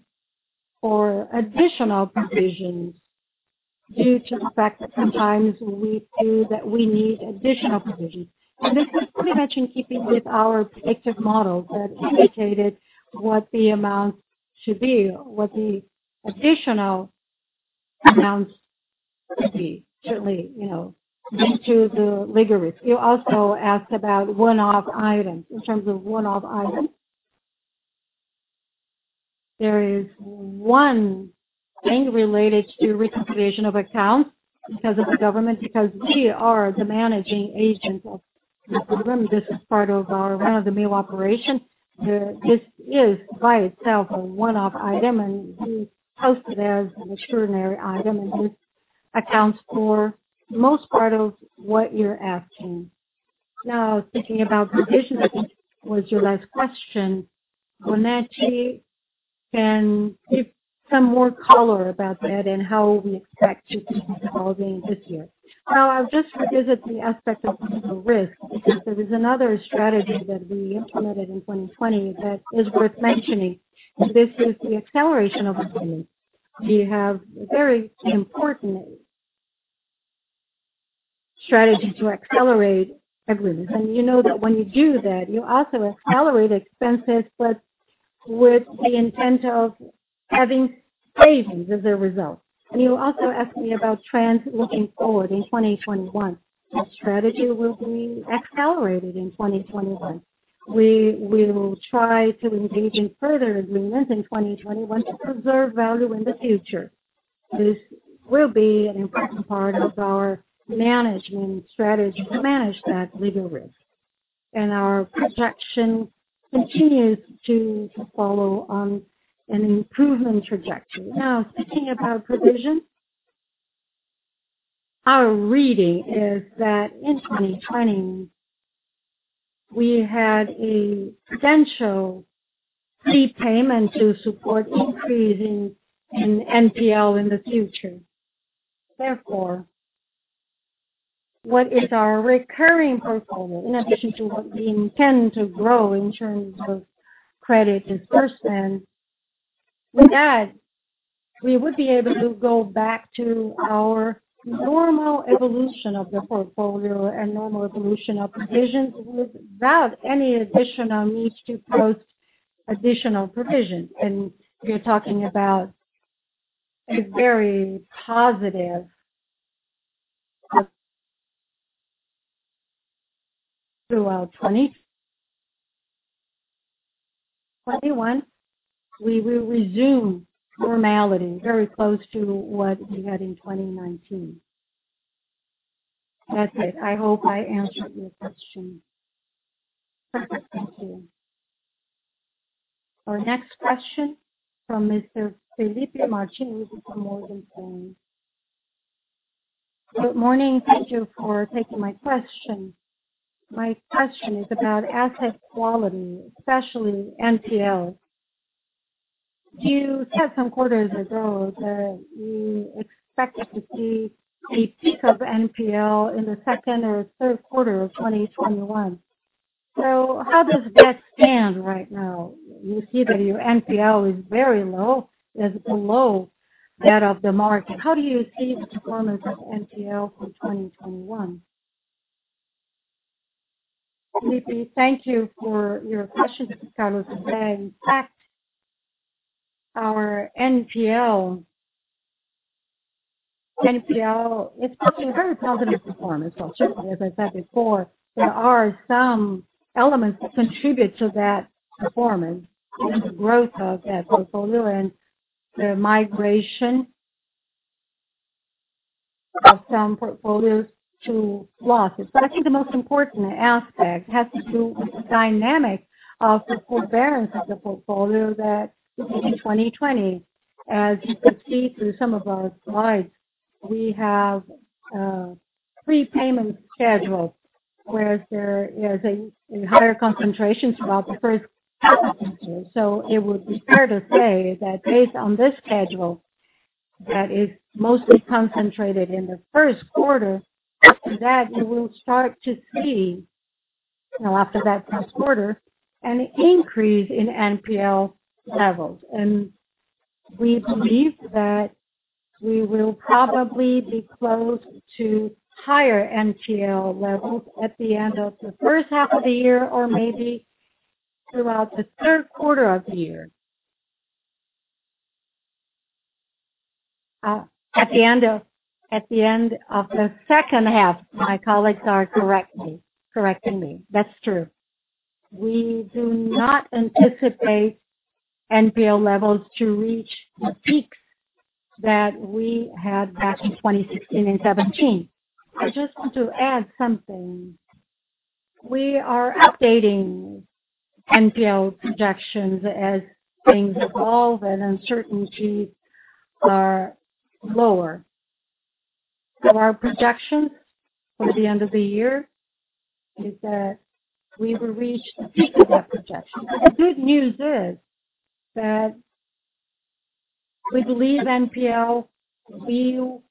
for additional provisions due to the fact that sometimes we feel that we need additional provisions. And this is pretty much in keeping with our predictive models that indicated what the amounts should be, what the additional amounts should be, certainly due to the legal risk. You also asked about one-off items. In terms of one-off items, there is one thing related to reconciliation of accounts because of the government, because we are the managing agent of this program. This is part of our run-of-the-mill operation. This is by itself a one-off item, and we post it as an extraordinary item, and this accounts for most part of what you're asking. Now, thinking about provisions, I think was your last question. Bonetti can give some more color about that and how we expect to keep evolving this year. Now, I'll just revisit the aspect of legal risk because there is another strategy that we implemented in 2020 that is worth mentioning. This is the acceleration of payments. We have a very important strategy to accelerate everything, and you know that when you do that, you also accelerate expenses, but with the intent of having savings as a result. You also asked me about trends looking forward in 2021. The strategy will be accelerated in 2021. We will try to engage in further agreements in 2021 to preserve value in the future. This will be an important part of our management strategy to manage that legal risk. Our projection continues to follow on an improvement trajectory. Now, speaking about provisions, our reading is that in 2020, we had a potential repayment to support increasing in NPL in the future. Therefore, what is our recurring portfolio in addition to what we intend to grow in terms of credit disbursement? With that, we would be able to go back to our normal evolution of the portfolio and normal evolution of provisions without any additional needs to post additional provisions. You're talking about a very positive throughout 2021. We will resume normality very close to what we had in 2019. That's it. I hope I answered your question. Perfect. Thank you. Our next question from Mr. Felipe Martinez from Morgan Stanley. Good morning. Thank you for taking my question. My question is about asset quality, especially NPL. You said some quarters ago that you expected to see a peak of NPL in the second or third quarter of 2021. So how does that stand right now? You see that your NPL is very low. It's below that of the market. How do you see the performance of NPL from 2021? Felipe, thank you for your question, Carlos André. In fact, our NPL is performing very positive performance. Well, certainly, as I said before, there are some elements that contribute to that performance and the growth of that portfolio and the migration of some portfolios to losses. I think the most important aspect has to do with the dynamic of the forbearance of the portfolio that in 2020, as you could see through some of our slides, we have prepayment schedules, whereas there is a higher concentration throughout the first half of the year. It would be fair to say that based on this schedule that is mostly concentrated in the first quarter, after that, you will start to see after that first quarter an increase in NPL levels. We believe that we will probably be close to higher NPL levels at the end of the first half of the year or maybe throughout the third quarter of the year. At the end of the second half, my colleagues are correcting me. That's true. We do not anticipate NPL levels to reach the peaks that we had back in 2016 and 2017. Just to add something, we are updating MPL projections as things evolve and uncertainties are lower, so our projections for the end of the year is that we will reach the peak of that projection. The good news is that we believe MPL will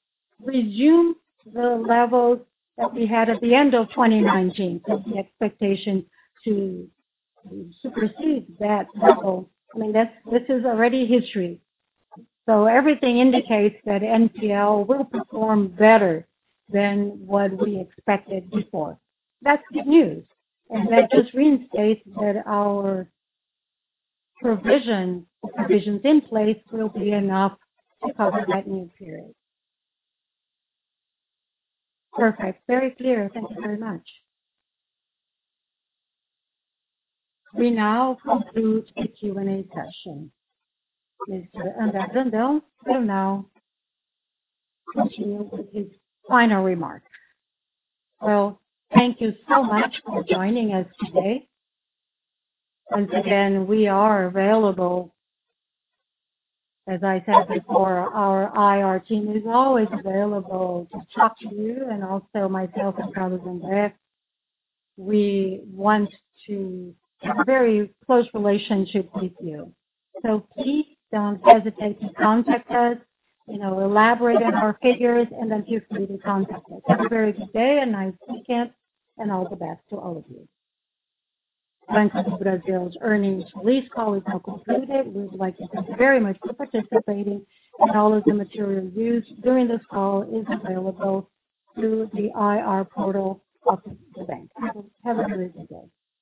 resume the levels that we had at the end of 2019, so the expectation to supersede that level, I mean, this is already history, so everything indicates that MPL will perform better than what we expected before. That's good news, and that just reinstates that our provisions in place will be enough to cover that new period. Perfect. Very clear. Thank you very much. We now conclude the Q&A session. Mr. André Brandão will now continue with his final remarks, so thank you so much for joining us today. Once again, we are available, as I said before. Our IR team is always available to talk to you and also myself and Carlos André. We want to have a very close relationship with you. So please don't hesitate to contact us, elaborate on our figures, and then feel free to contact us. Have a very good day, a nice weekend, and all the best to all of you. Banco do Brasil's earnings release call is now concluded. We would like to thank you very much for participating, and all of the material used during this call is available through the IR portal of the bank. Have a very good day.